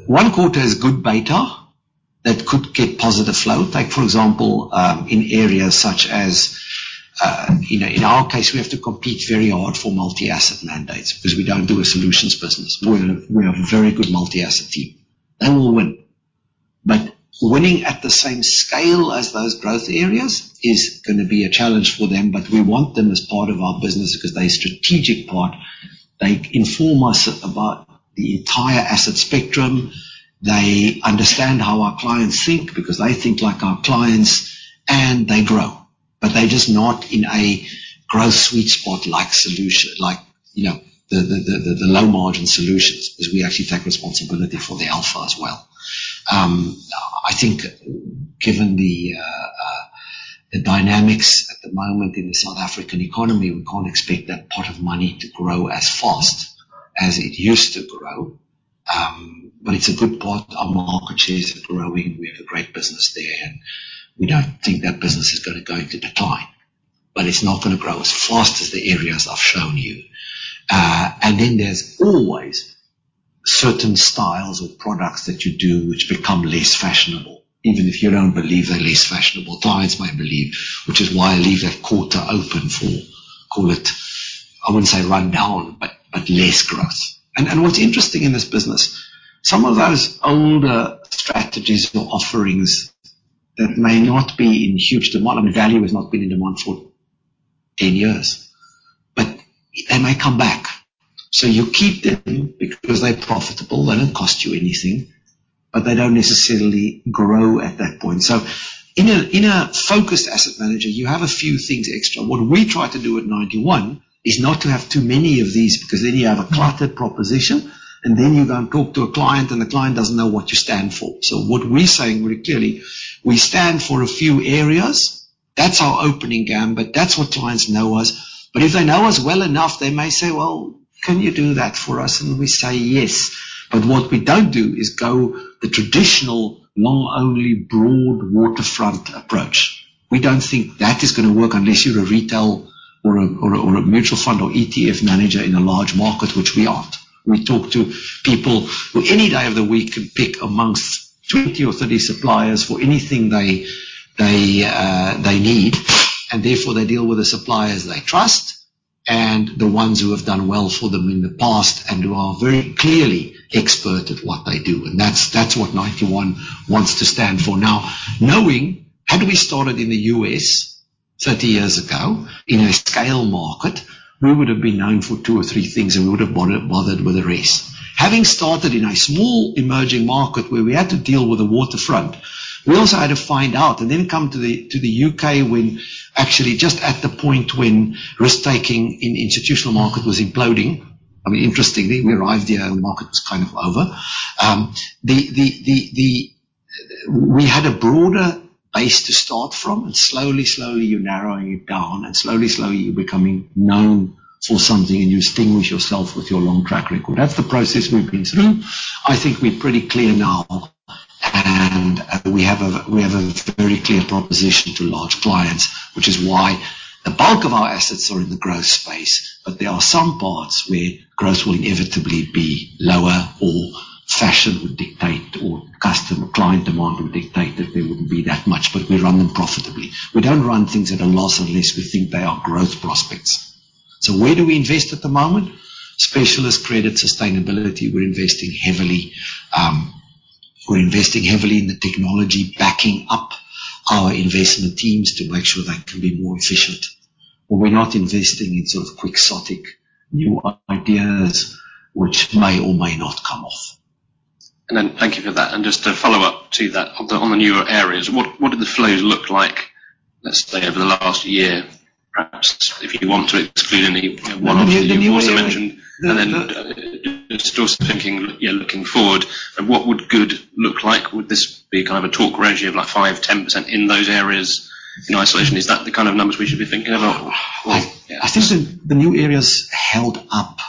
one quarter is good beta that could get positive flow. Take for example, in areas such as, you know, in our case, we have to compete very hard for multi-asset mandates because we don't do a solutions business. We have a very good multi-asset team. They will win. Winning at the same scale as those growth areas is gonna be a challenge for them. We want them as part of our business because they're a strategic part. They inform us about the entire asset spectrum. They understand how our clients think because they think like our clients and they grow. They're just not in a growth sweet spot like solution, like, you know, the low margin solutions, because we actually take responsibility for the alpha as well. I think given the dynamics at the moment in the South African economy, we can't expect that pot of money to grow as fast as it used to grow. It's a good part. Our market shares are growing. We have a great business there, and we don't think that business is gonna go into decline, but it's not gonna grow as fast as the areas I've shown you. Then there's always certain styles of products that you do which become less fashionable, even if you don't believe they're less fashionable. Clients might believe, which is why I leave that quarter open for, call it, I wouldn't say run down, but less growth. What's interesting in this business, some of those older strategies or offerings that may not be in huge demand, I mean, value has not been in demand for 10 years. They may come back. You keep them because they're profitable, they don't cost you anything, but they don't necessarily grow at that point. In a focused asset manager, you have a few things extra. What we try to do at Ninety One is not to have too many of these, because then you have a cluttered proposition, and then you go and talk to a client, and the client doesn't know what you stand for. What we're saying very clearly, we stand for a few areas. That's our opening gambit. That's what clients know us. If they know us well enough, they may say, "Well, can you do that for us?" We say, "Yes." What we don't do is go the traditional long-only broad waterfront approach. We don't think that is gonna work unless you're a retail or a mutual fund or ETF manager in a large market, which we aren't. We talk to people who any day of the week can pick amongst 20 or 30 suppliers for anything they need, and therefore, they deal with the suppliers they trust and the ones who have done well for them in the past and who are very clearly expert at what they do. That's what Ninety One wants to stand for. Knowing had we started in the U.S. 30 years ago in a scale market, we would have been known for two or three things, and we would have bothered with the rest. Having started in a small emerging market where we had to deal with the waterfront, we also had to find out and then come to the U.K. when actually just at the point when risk-taking in institutional market was imploding. I mean, interestingly, we arrived here, the market was kind of over. The... We had a broader base to start from. Slowly, slowly, you're narrowing it down. Slowly, slowly, you're becoming known for something, and you distinguish yourself with your long track record. That's the process we've been through. I think we're pretty clear now. We have a very clear proposition to large clients, which is why the bulk of our assets are in the growth space. There are some parts where growth will inevitably be lower, or fashion would dictate, or custom client demand would dictate that there wouldn't be that much, but we run them profitably. We don't run things at a loss unless we think they are growth prospects. Where do we invest at the moment? Specialist credit sustainability. We're investing heavily. We're investing heavily in the technology, backing up our investment teams to make sure they can be more efficient. We're not investing in sort of quixotic new ideas which may or may not come off. Thank you for that. Just to follow up to that, on the newer areas, what do the flows look like, let's say, over the last year, perhaps? If you want to exclude any one you also mentioned. Just also thinking, you know, looking forward, what would good look like? Would this be kind of a talk ratio of like 5%, 10% in those areas in isolation? Is that the kind of numbers we should be thinking about? I think the new areas held up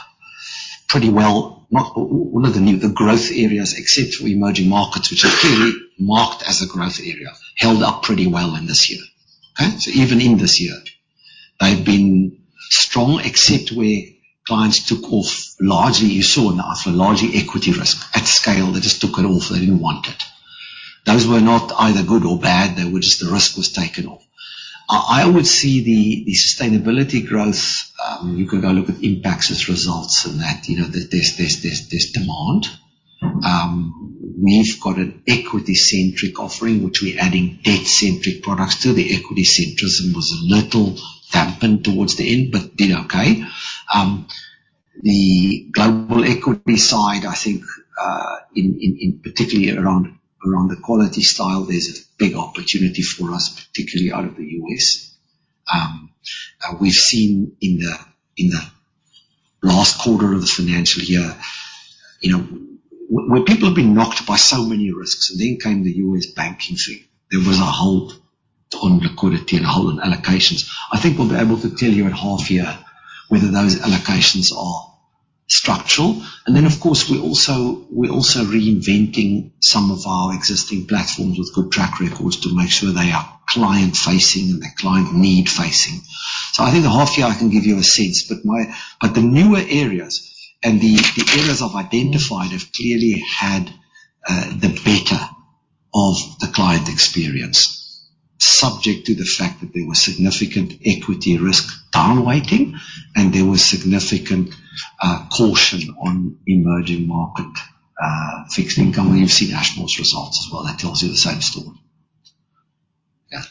pretty well. All of the new growth areas except for emerging markets, which are clearly marked as a growth area, held up pretty well in this year. Okay. Even in this year, they've been strong except where clients took off largely, you saw now, for largely equity risk at scale. They just took it off. They didn't want it. Those were not either good or bad. They were just the risk was taken off. I would see the sustainability growth. You can go look at Impax's results and that. You know, there's demand. We've got an equity-centric offering, which we're adding debt-centric products to. The equity centrism was a little dampened towards the end but did okay. The global equity side, I think, particularly around the quality style, there's a big opportunity for us, particularly out of the U.S. We've seen in the last quarter of the financial year, you know, where people have been knocked by so many risks. Came the U.S. banking thing. There was a hold on liquidity and a hold on allocations. I think we'll be able to tell you at half-year whether those allocations are structural. Of course, we're also reinventing some of our existing platforms with good track records to make sure they are client-facing and they're client need-facing. I think the half-year, I can give you a sense. The newer areas and the areas I've identified have clearly had the better of the client experience, subject to the fact that there was significant equity risk down-weighting and there was significant caution on emerging market fixed income. You've seen Ashmore's results as well. That tells you the same story. Yeah.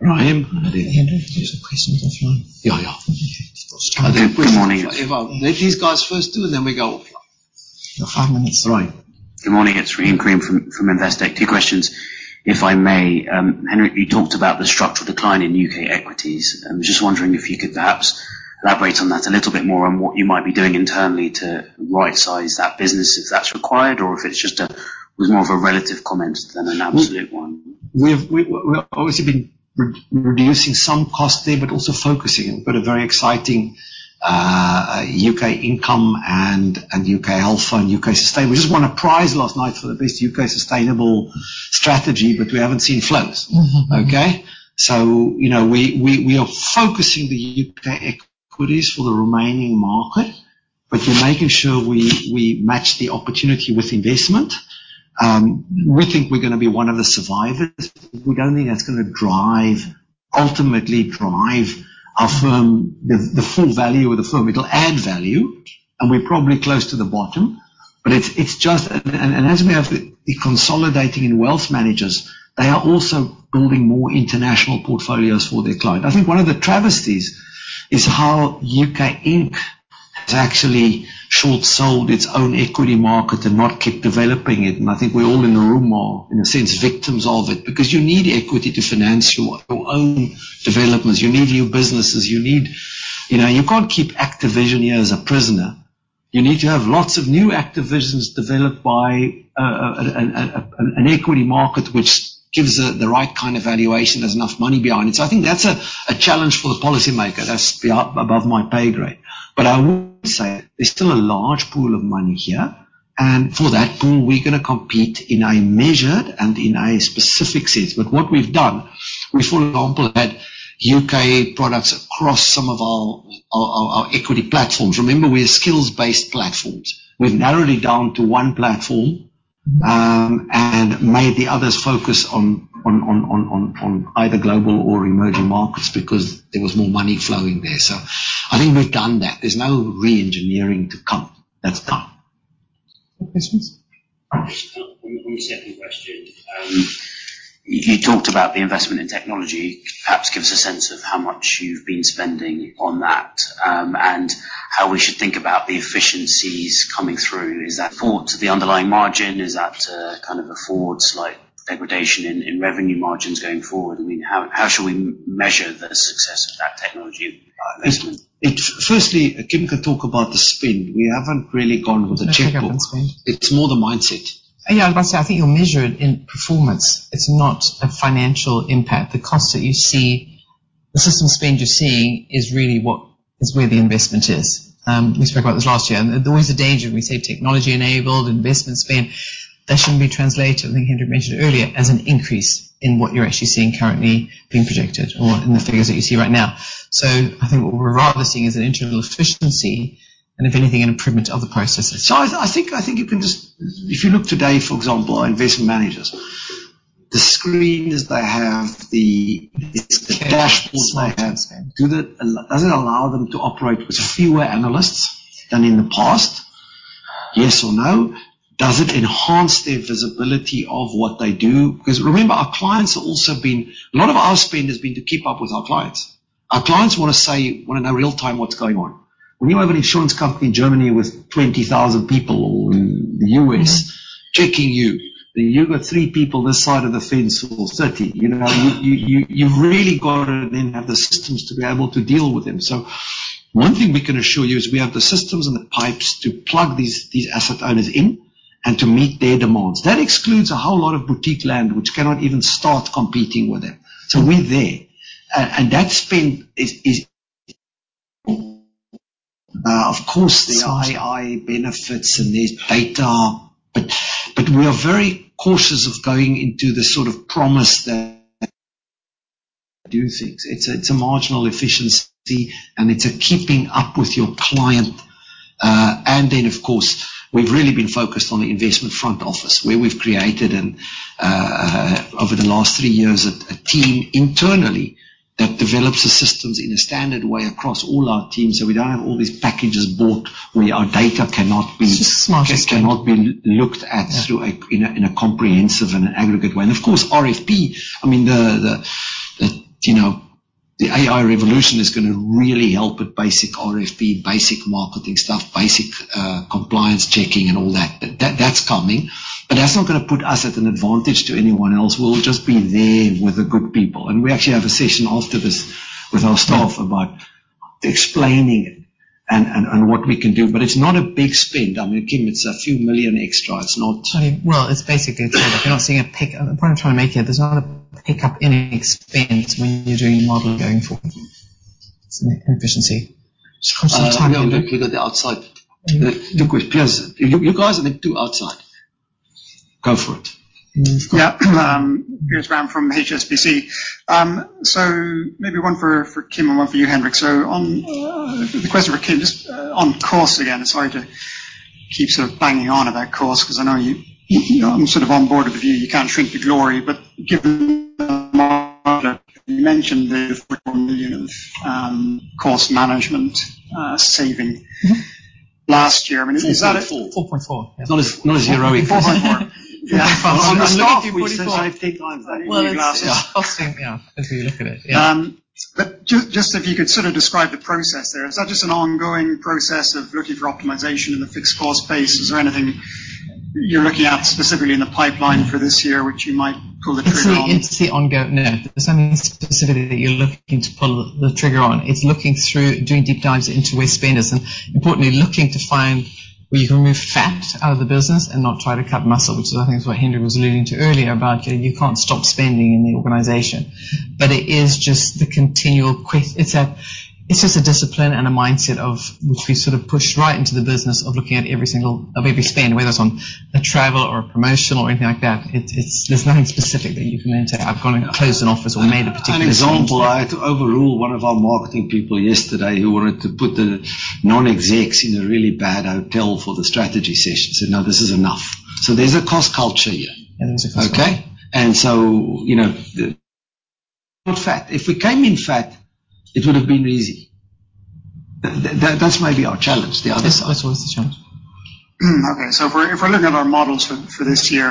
Rahim. There's a question at the front. Yeah, yeah. Good morning. Let these guys first do, and then we go. You have five minutes, right? Good morning. It's Rahim Karim from Investec. Two questions, if I may. Henry, you talked about the structural decline in U.K. equities. I'm just wondering if you could perhaps elaborate on that a little bit more on what you might be doing internally to right-size that business, if that's required, or if it's just was more of a relative comment than an absolute one. We've obviously been reducing some costs there, but also focusing. We've got a very exciting U.K. Income and U.K. Alpha and U.K .Sustain. We just won a prize last night for the best U.K. Sustainable strategy, but we haven't seen flows. Mm-hmm. Okay? you know, we are focusing the U.K. equities for the remaining market, but we're making sure we match the opportunity with investment. We think we're gonna be one of the survivors. We don't think that's ultimately drive our firm the full value of the firm. It'll add value, and we're probably close to the bottom. But it's just... As we have the consolidating in wealth managers, they are also building more international portfolios for their client. I think one of the travesties is how U.K. Inc. has actually short sold its own equity market and not kept developing it. I think we all in the room are, in a sense, victims of it because you need equity to finance your own developments. You need new businesses. You need... You know, you can't keep active vision here as a prisoner. You need to have lots of new active visions developed by an equity market which gives the right kind of valuation. There's enough money behind it. I think that's a challenge for the policymaker. That's above my pay grade. I would say there's still a large pool of money here. For that pool, we're gonna compete in a measured and in a specific sense. What we've done, we for example, had U.K. products across some of our equity platforms. Remember, we are skills-based platforms. We've narrowed it down to one platform and made the others focus on either global or emerging markets because there was more money flowing there. I think we've done that. There's no re-engineering to come. That's done. More questions? On the second question, you talked about the investment in technology. Could you perhaps give us a sense of how much you've been spending on that, and how we should think about the efficiencies coming through? Is that forward to the underlying margin? Is that kind of a forward slight degradation in revenue margins going forward? I mean, how should we measure the success of that technology investment? It. Firstly, Kim can talk about the spend. We haven't really gone with the checkbook. Let's talk about spend. It's more the mindset. Yeah, I was gonna say, I think you'll measure it in performance. It's not a financial impact. The cost that you see, the system spend you're seeing is really what is where the investment is. There's always a danger when we say technology enabled, investment spend. That shouldn't be translated, I think Hendrik mentioned it earlier, as an increase in what you're actually seeing currently being projected or in the figures that you see right now. I think what we're rather seeing is an internal efficiency and if anything, an improvement of the processes. I think you can just. If you look today, for example, our investment managers, the screens they have, the dashboards they have. It's a smart spend. Does it allow them to operate with fewer analysts than in the past? Yes or no? Does it enhance their visibility of what they do? Remember, our clients have also been... A lot of our spend has been to keep up with our clients. Our clients wanna say, wanna know real time what's going on. When you have an insurance company in Germany with 20,000 people or in the U.S. checking you, and you've got three people this side of the fence or city, you know, you've really gotta then have the systems to be able to deal with them. One thing we can assure you is we have the systems and the pipes to plug these asset owners in and to meet their demands. That excludes a whole lot of boutique land which cannot even start competing with them. We're there. And that spend is, of course, the AI benefits and there's data, but we are very cautious of going into the sort of promise that do things. It's a marginal efficiency and it's a keeping up with your client. Of course, we've really been focused on the investment front office, where we've created an over the last three years a team internally that develops the systems in a standard way across all our teams, so we don't have all these packages bought where our data cannot be. It's just smarter spend. Just cannot be looked at. Yeah. Through a, in a comprehensive and aggregate way. Of course, RFP, I mean, you know, the AI revolution is gonna really help with basic RFP, basic marketing stuff, basic compliance checking and all that. That's coming, but that's not gonna put us at an advantage to anyone else. We'll just be there with the good people. We actually have a session after this with our staff about explaining it and what we can do. It's not a big spend. I mean, Kim, it's a few million extra. It's not- I mean, well, it's basically it. The point I'm trying to make here, there's not a pickup in expense when you're doing your model going forward. It's an efficiency. We are looking at the outside. Piers, you guys are the two outside. Go for it. No, it's cool. Pierce Brown from HSBC. Maybe one for Kim and one for you, Hendrik. On the question for Kim, just on cost again. Sorry to keep sort of banging on about cost because I know you know, I'm sort of on board with you. You can't shrink the glory. Given the margin, you mentioned the 4.4 million of cost management saving- Mm-hmm. Last year. I mean, is? 4.4. Not as, not as heroic. 4.4. Yeah. 4.4. Well, it's costing, yeah, as we look at it. Yeah. Just if you could sort of describe the process there. Is that just an ongoing process of looking for optimization in the fixed cost space? Is there anything you're looking at specifically in the pipeline for this year, which you might pull the trigger on? It's the ongoing. No, there's nothing specifically that you're looking to pull the trigger on. It's looking through, doing deep dives into where spend is and importantly looking to find where you can remove fat out of the business and not try to cut muscle. Which is, I think, is what Hendrik was alluding to earlier about, you know, you can't stop spending in the organization. It is just the continual discipline and a mindset of which we sort of push right into the business of looking at every single spend, whether it's on a travel or a promotion or anything like that. It's... There's nothing specific that you can mention. I've gone and closed an office or made a particular spend. An example, I had to overrule one of our marketing people yesterday who wanted to put the non-execs in a really bad hotel for the strategy session. Said, "No, this is enough." There's a cost culture here. Yeah, there's a cost culture. Okay? you know-Not fat. If we came in fat, it would have been easy. That's maybe our challenge. That's also is the challenge. Okay. If we're looking at our models for this year,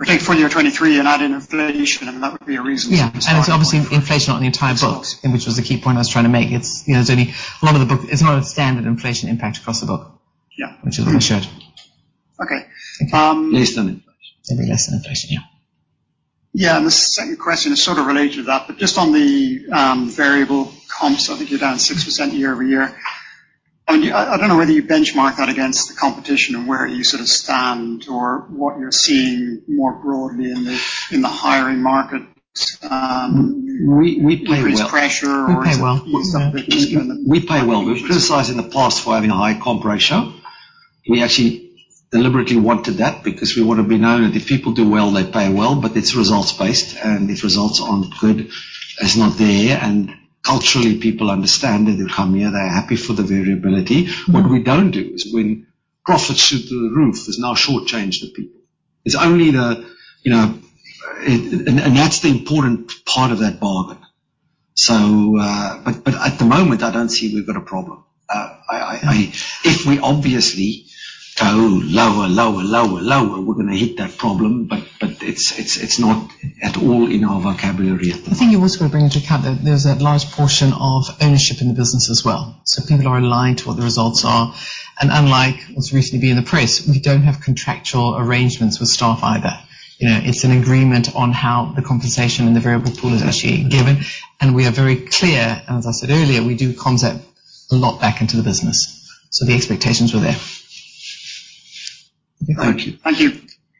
we take full year 2023 and add in inflation, and that would be a reasonable starting point. Yeah. It's obviously inflation on the entire book, which was the key point I was trying to make. It's, you know, a lot of the book is not a standard inflation impact across the book. Yeah. Which is as I showed. Okay. Less than inflation. It'll be less than inflation, yeah. Yeah. The second question is sort of related to that, but just on the variable comps, I think you're down 6% year-over-year. I mean, I don't know whether you benchmark that against the competition and where you sort of stand or what you're seeing more broadly in the hiring market? We pay well. Increased pressure or some- We pay well. We pay well. We've criticized in the past for having a high comp ratio. We actually deliberately wanted that because we want to be known that if people do well, they pay well, but it's results-based, and if results aren't good, it's not there. Culturally, people understand at [Aluwani]. They're happy for the variability. What we don't do is when profits shoot through the roof, is not shortchange the people. It's only the, you know. That's the important part of that bargain. But at the moment, I don't see we've got a problem. If we obviously go lower, lower, we're gonna hit that problem, but it's not at all in our vocabulary at the moment. I think you've also got to bring into account that there's a large portion of ownership in the business as well. People are aligned to what the results are. Unlike what's recently been in the press, we don't have contractual arrangements with staff either. You know, it's an agreement on how the compensation and the variable pool is actually given. We are very clear, and as I said earlier, we do concept a lot back into the business. The expectations were there. Thank you.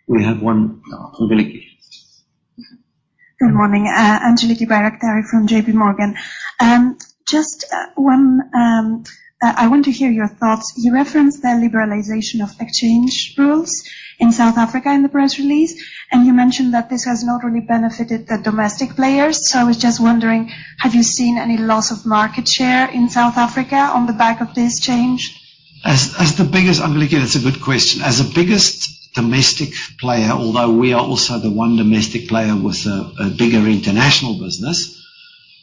We have one, Angeliki. Good morning. Angeliki Bairaktari from JPMorgan. I want to hear your thoughts. You referenced the liberalization of exchange rules in South Africa in the press release, and you mentioned that this has not really benefited the domestic players. I was just wondering, have you seen any loss of market share in South Africa on the back of this change? As the biggest. Angeliki, that's a good question. As the biggest domestic player, although we are also the one domestic player with a bigger international business,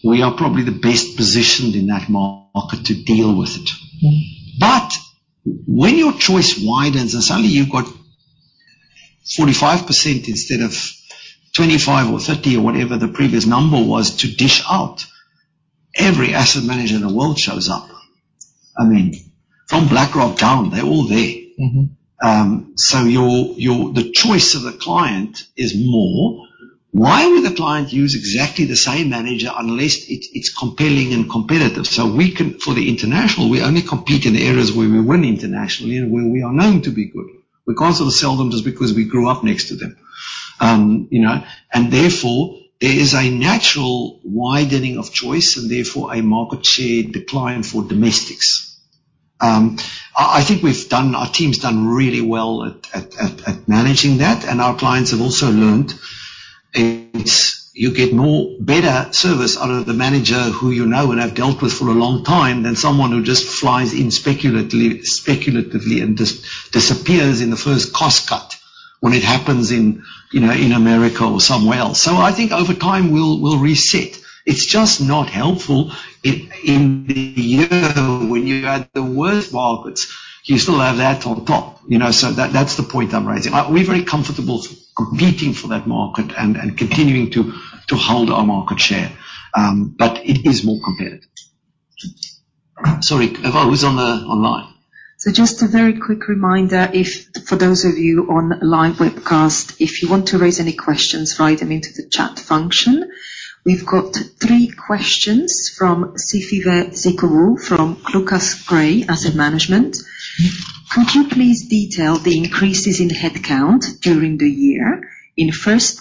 we are probably the best positioned in that market to deal with it. Mm-hmm. When your choice widens and suddenly you've got 45% instead of 25% or 30% or whatever the previous number was to dish out, every asset manager in the world shows up. I mean, from BlackRock down, they're all there. Mm-hmm. The choice of the client is more. Why would the client use exactly the same manager unless it's compelling and competitive? For the international, we only compete in areas where we win internationally and where we are known to be good. We can't sort of sell them just because we grew up next to them. You know, therefore, there is a natural widening of choice and therefore a market share decline for domestics. I think our team's done really well at managing that, and our clients have also learned it's, you get more better service out of the manager who you know and have dealt with for a long time than someone who just flies in speculatively and disappears in the first cost cut when it happens in, you know, in America or somewhere else. I think over time, we'll reset. It's just not helpful. In the year when you had the worst markets, you still have that on top. You know, that's the point I'm raising. We're very comfortable competing for that market and continuing to hold our market share. It is more competitive. Sorry, Ieva, who's online? Just a very quick reminder, if for those of you on live webcast, if you want to raise any questions, write them into the chat function. We've got three questions from Siphiwe Ziqubu from ClucasGray Asset Management. Could you please detail the increases in headcount during the year? In first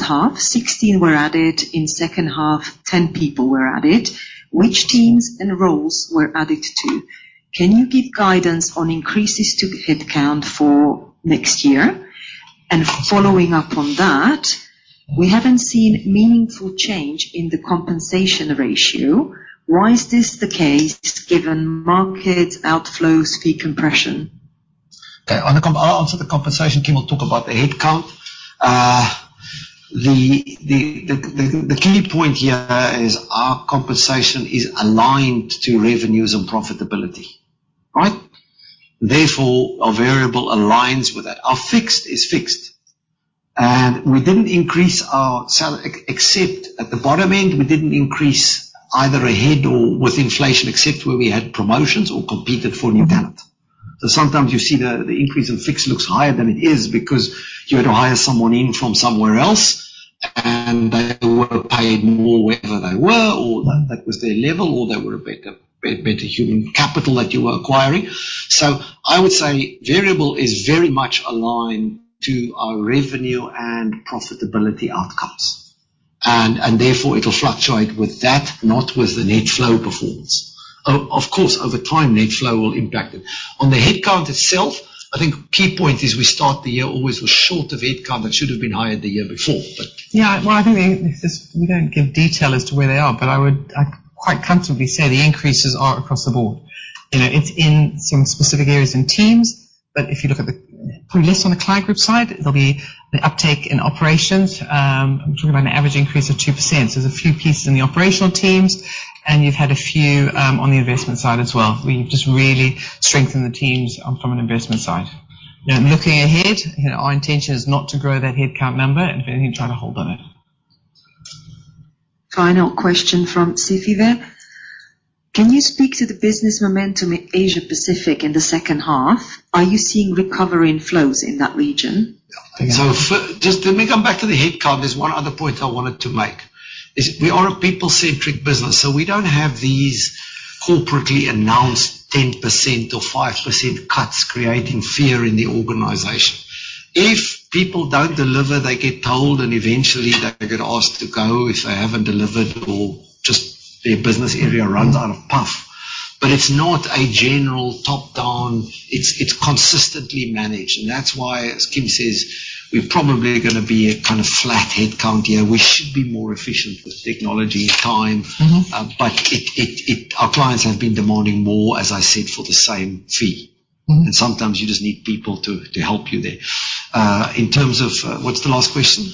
half, 16 were added. In second half, 10 people were added. Which teams and roles were added to? Can you give guidance on increases to headcount for next year? Following up on that, we haven't seen meaningful change in the compensation ratio. Why is this the case given market outflows fee compression? Okay. I'll answer the compensation. Kim will talk about the headcount. The key point here is our compensation is aligned to revenues and profitability, right? Therefore, our variable aligns with that. Our fixed is fixed. We didn't increase our except at the bottom end, we didn't increase either a head or with inflation except where we had promotions or competed for new talent. Sometimes you see the increase in fixed looks higher than it is because you had to hire someone in from somewhere else, and they were paid more wherever they were or that was their level or they were a better human capital that you were acquiring. I would say variable is very much aligned to our revenue and profitability outcomes. Therefore, it'll fluctuate with that, not with the net flow performance. Of course, over time, net flow will impact it. On the headcount itself, I think key point is we start the year always with short of headcount that should have been hired the year before. Yeah. Well, I think we just, we don't give detail as to where they are, but I would quite comfortably say the increases are across the board. You know, it's in some specific areas and teams, but probably less on the client group side. There'll be the uptake in operations. I'm talking about an average increase of 2%. There's a few pieces in the operational teams, and you've had a few on the investment side as well. We've just really strengthened the teams from an investment side. Looking ahead, our intention is not to grow that headcount number, if anything, try to hold on it. Final question from Siphiwe. Can you speak to the business momentum in Asia Pacific in the second half? Are you seeing recovery in flows in that region? Just let me come back to the headcount. There's one other point I wanted to make, is we are a people-centric business, so we don't have these corporately announced 10% or 5% cuts creating fear in the organization. If people don't deliver, they get told, and eventually they get asked to go if they haven't delivered or just their business area runs out of puff. It's not a general top-down. It's consistently managed, and that's why, as Kim says, we probably are gonna be a kind of flat headcount year. We should be more efficient with technology time. Mm-hmm. Our clients have been demanding more, as I said, for the same fee. Mm-hmm. Sometimes you just need people to help you there. What's the last question?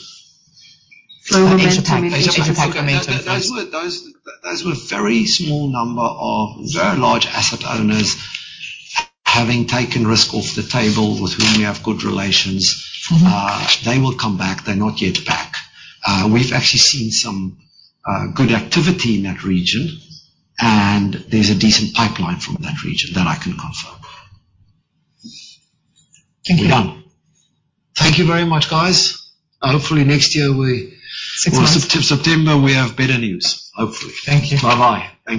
Flow momentum in Asia Pacific. Asia Pacific momentum. Those were very small number of very large asset owners having taken risk off the table with whom we have good relations. Mm-hmm. They will come back. They're not yet back. We've actually seen some good activity in that region. There's a decent pipeline from that region that I can confirm. Thank you. We're done. Thank you very much, guys. Hopefully next year. Six months. September, we have better news. Hopefully. Thank you. Bye-bye. Thank you.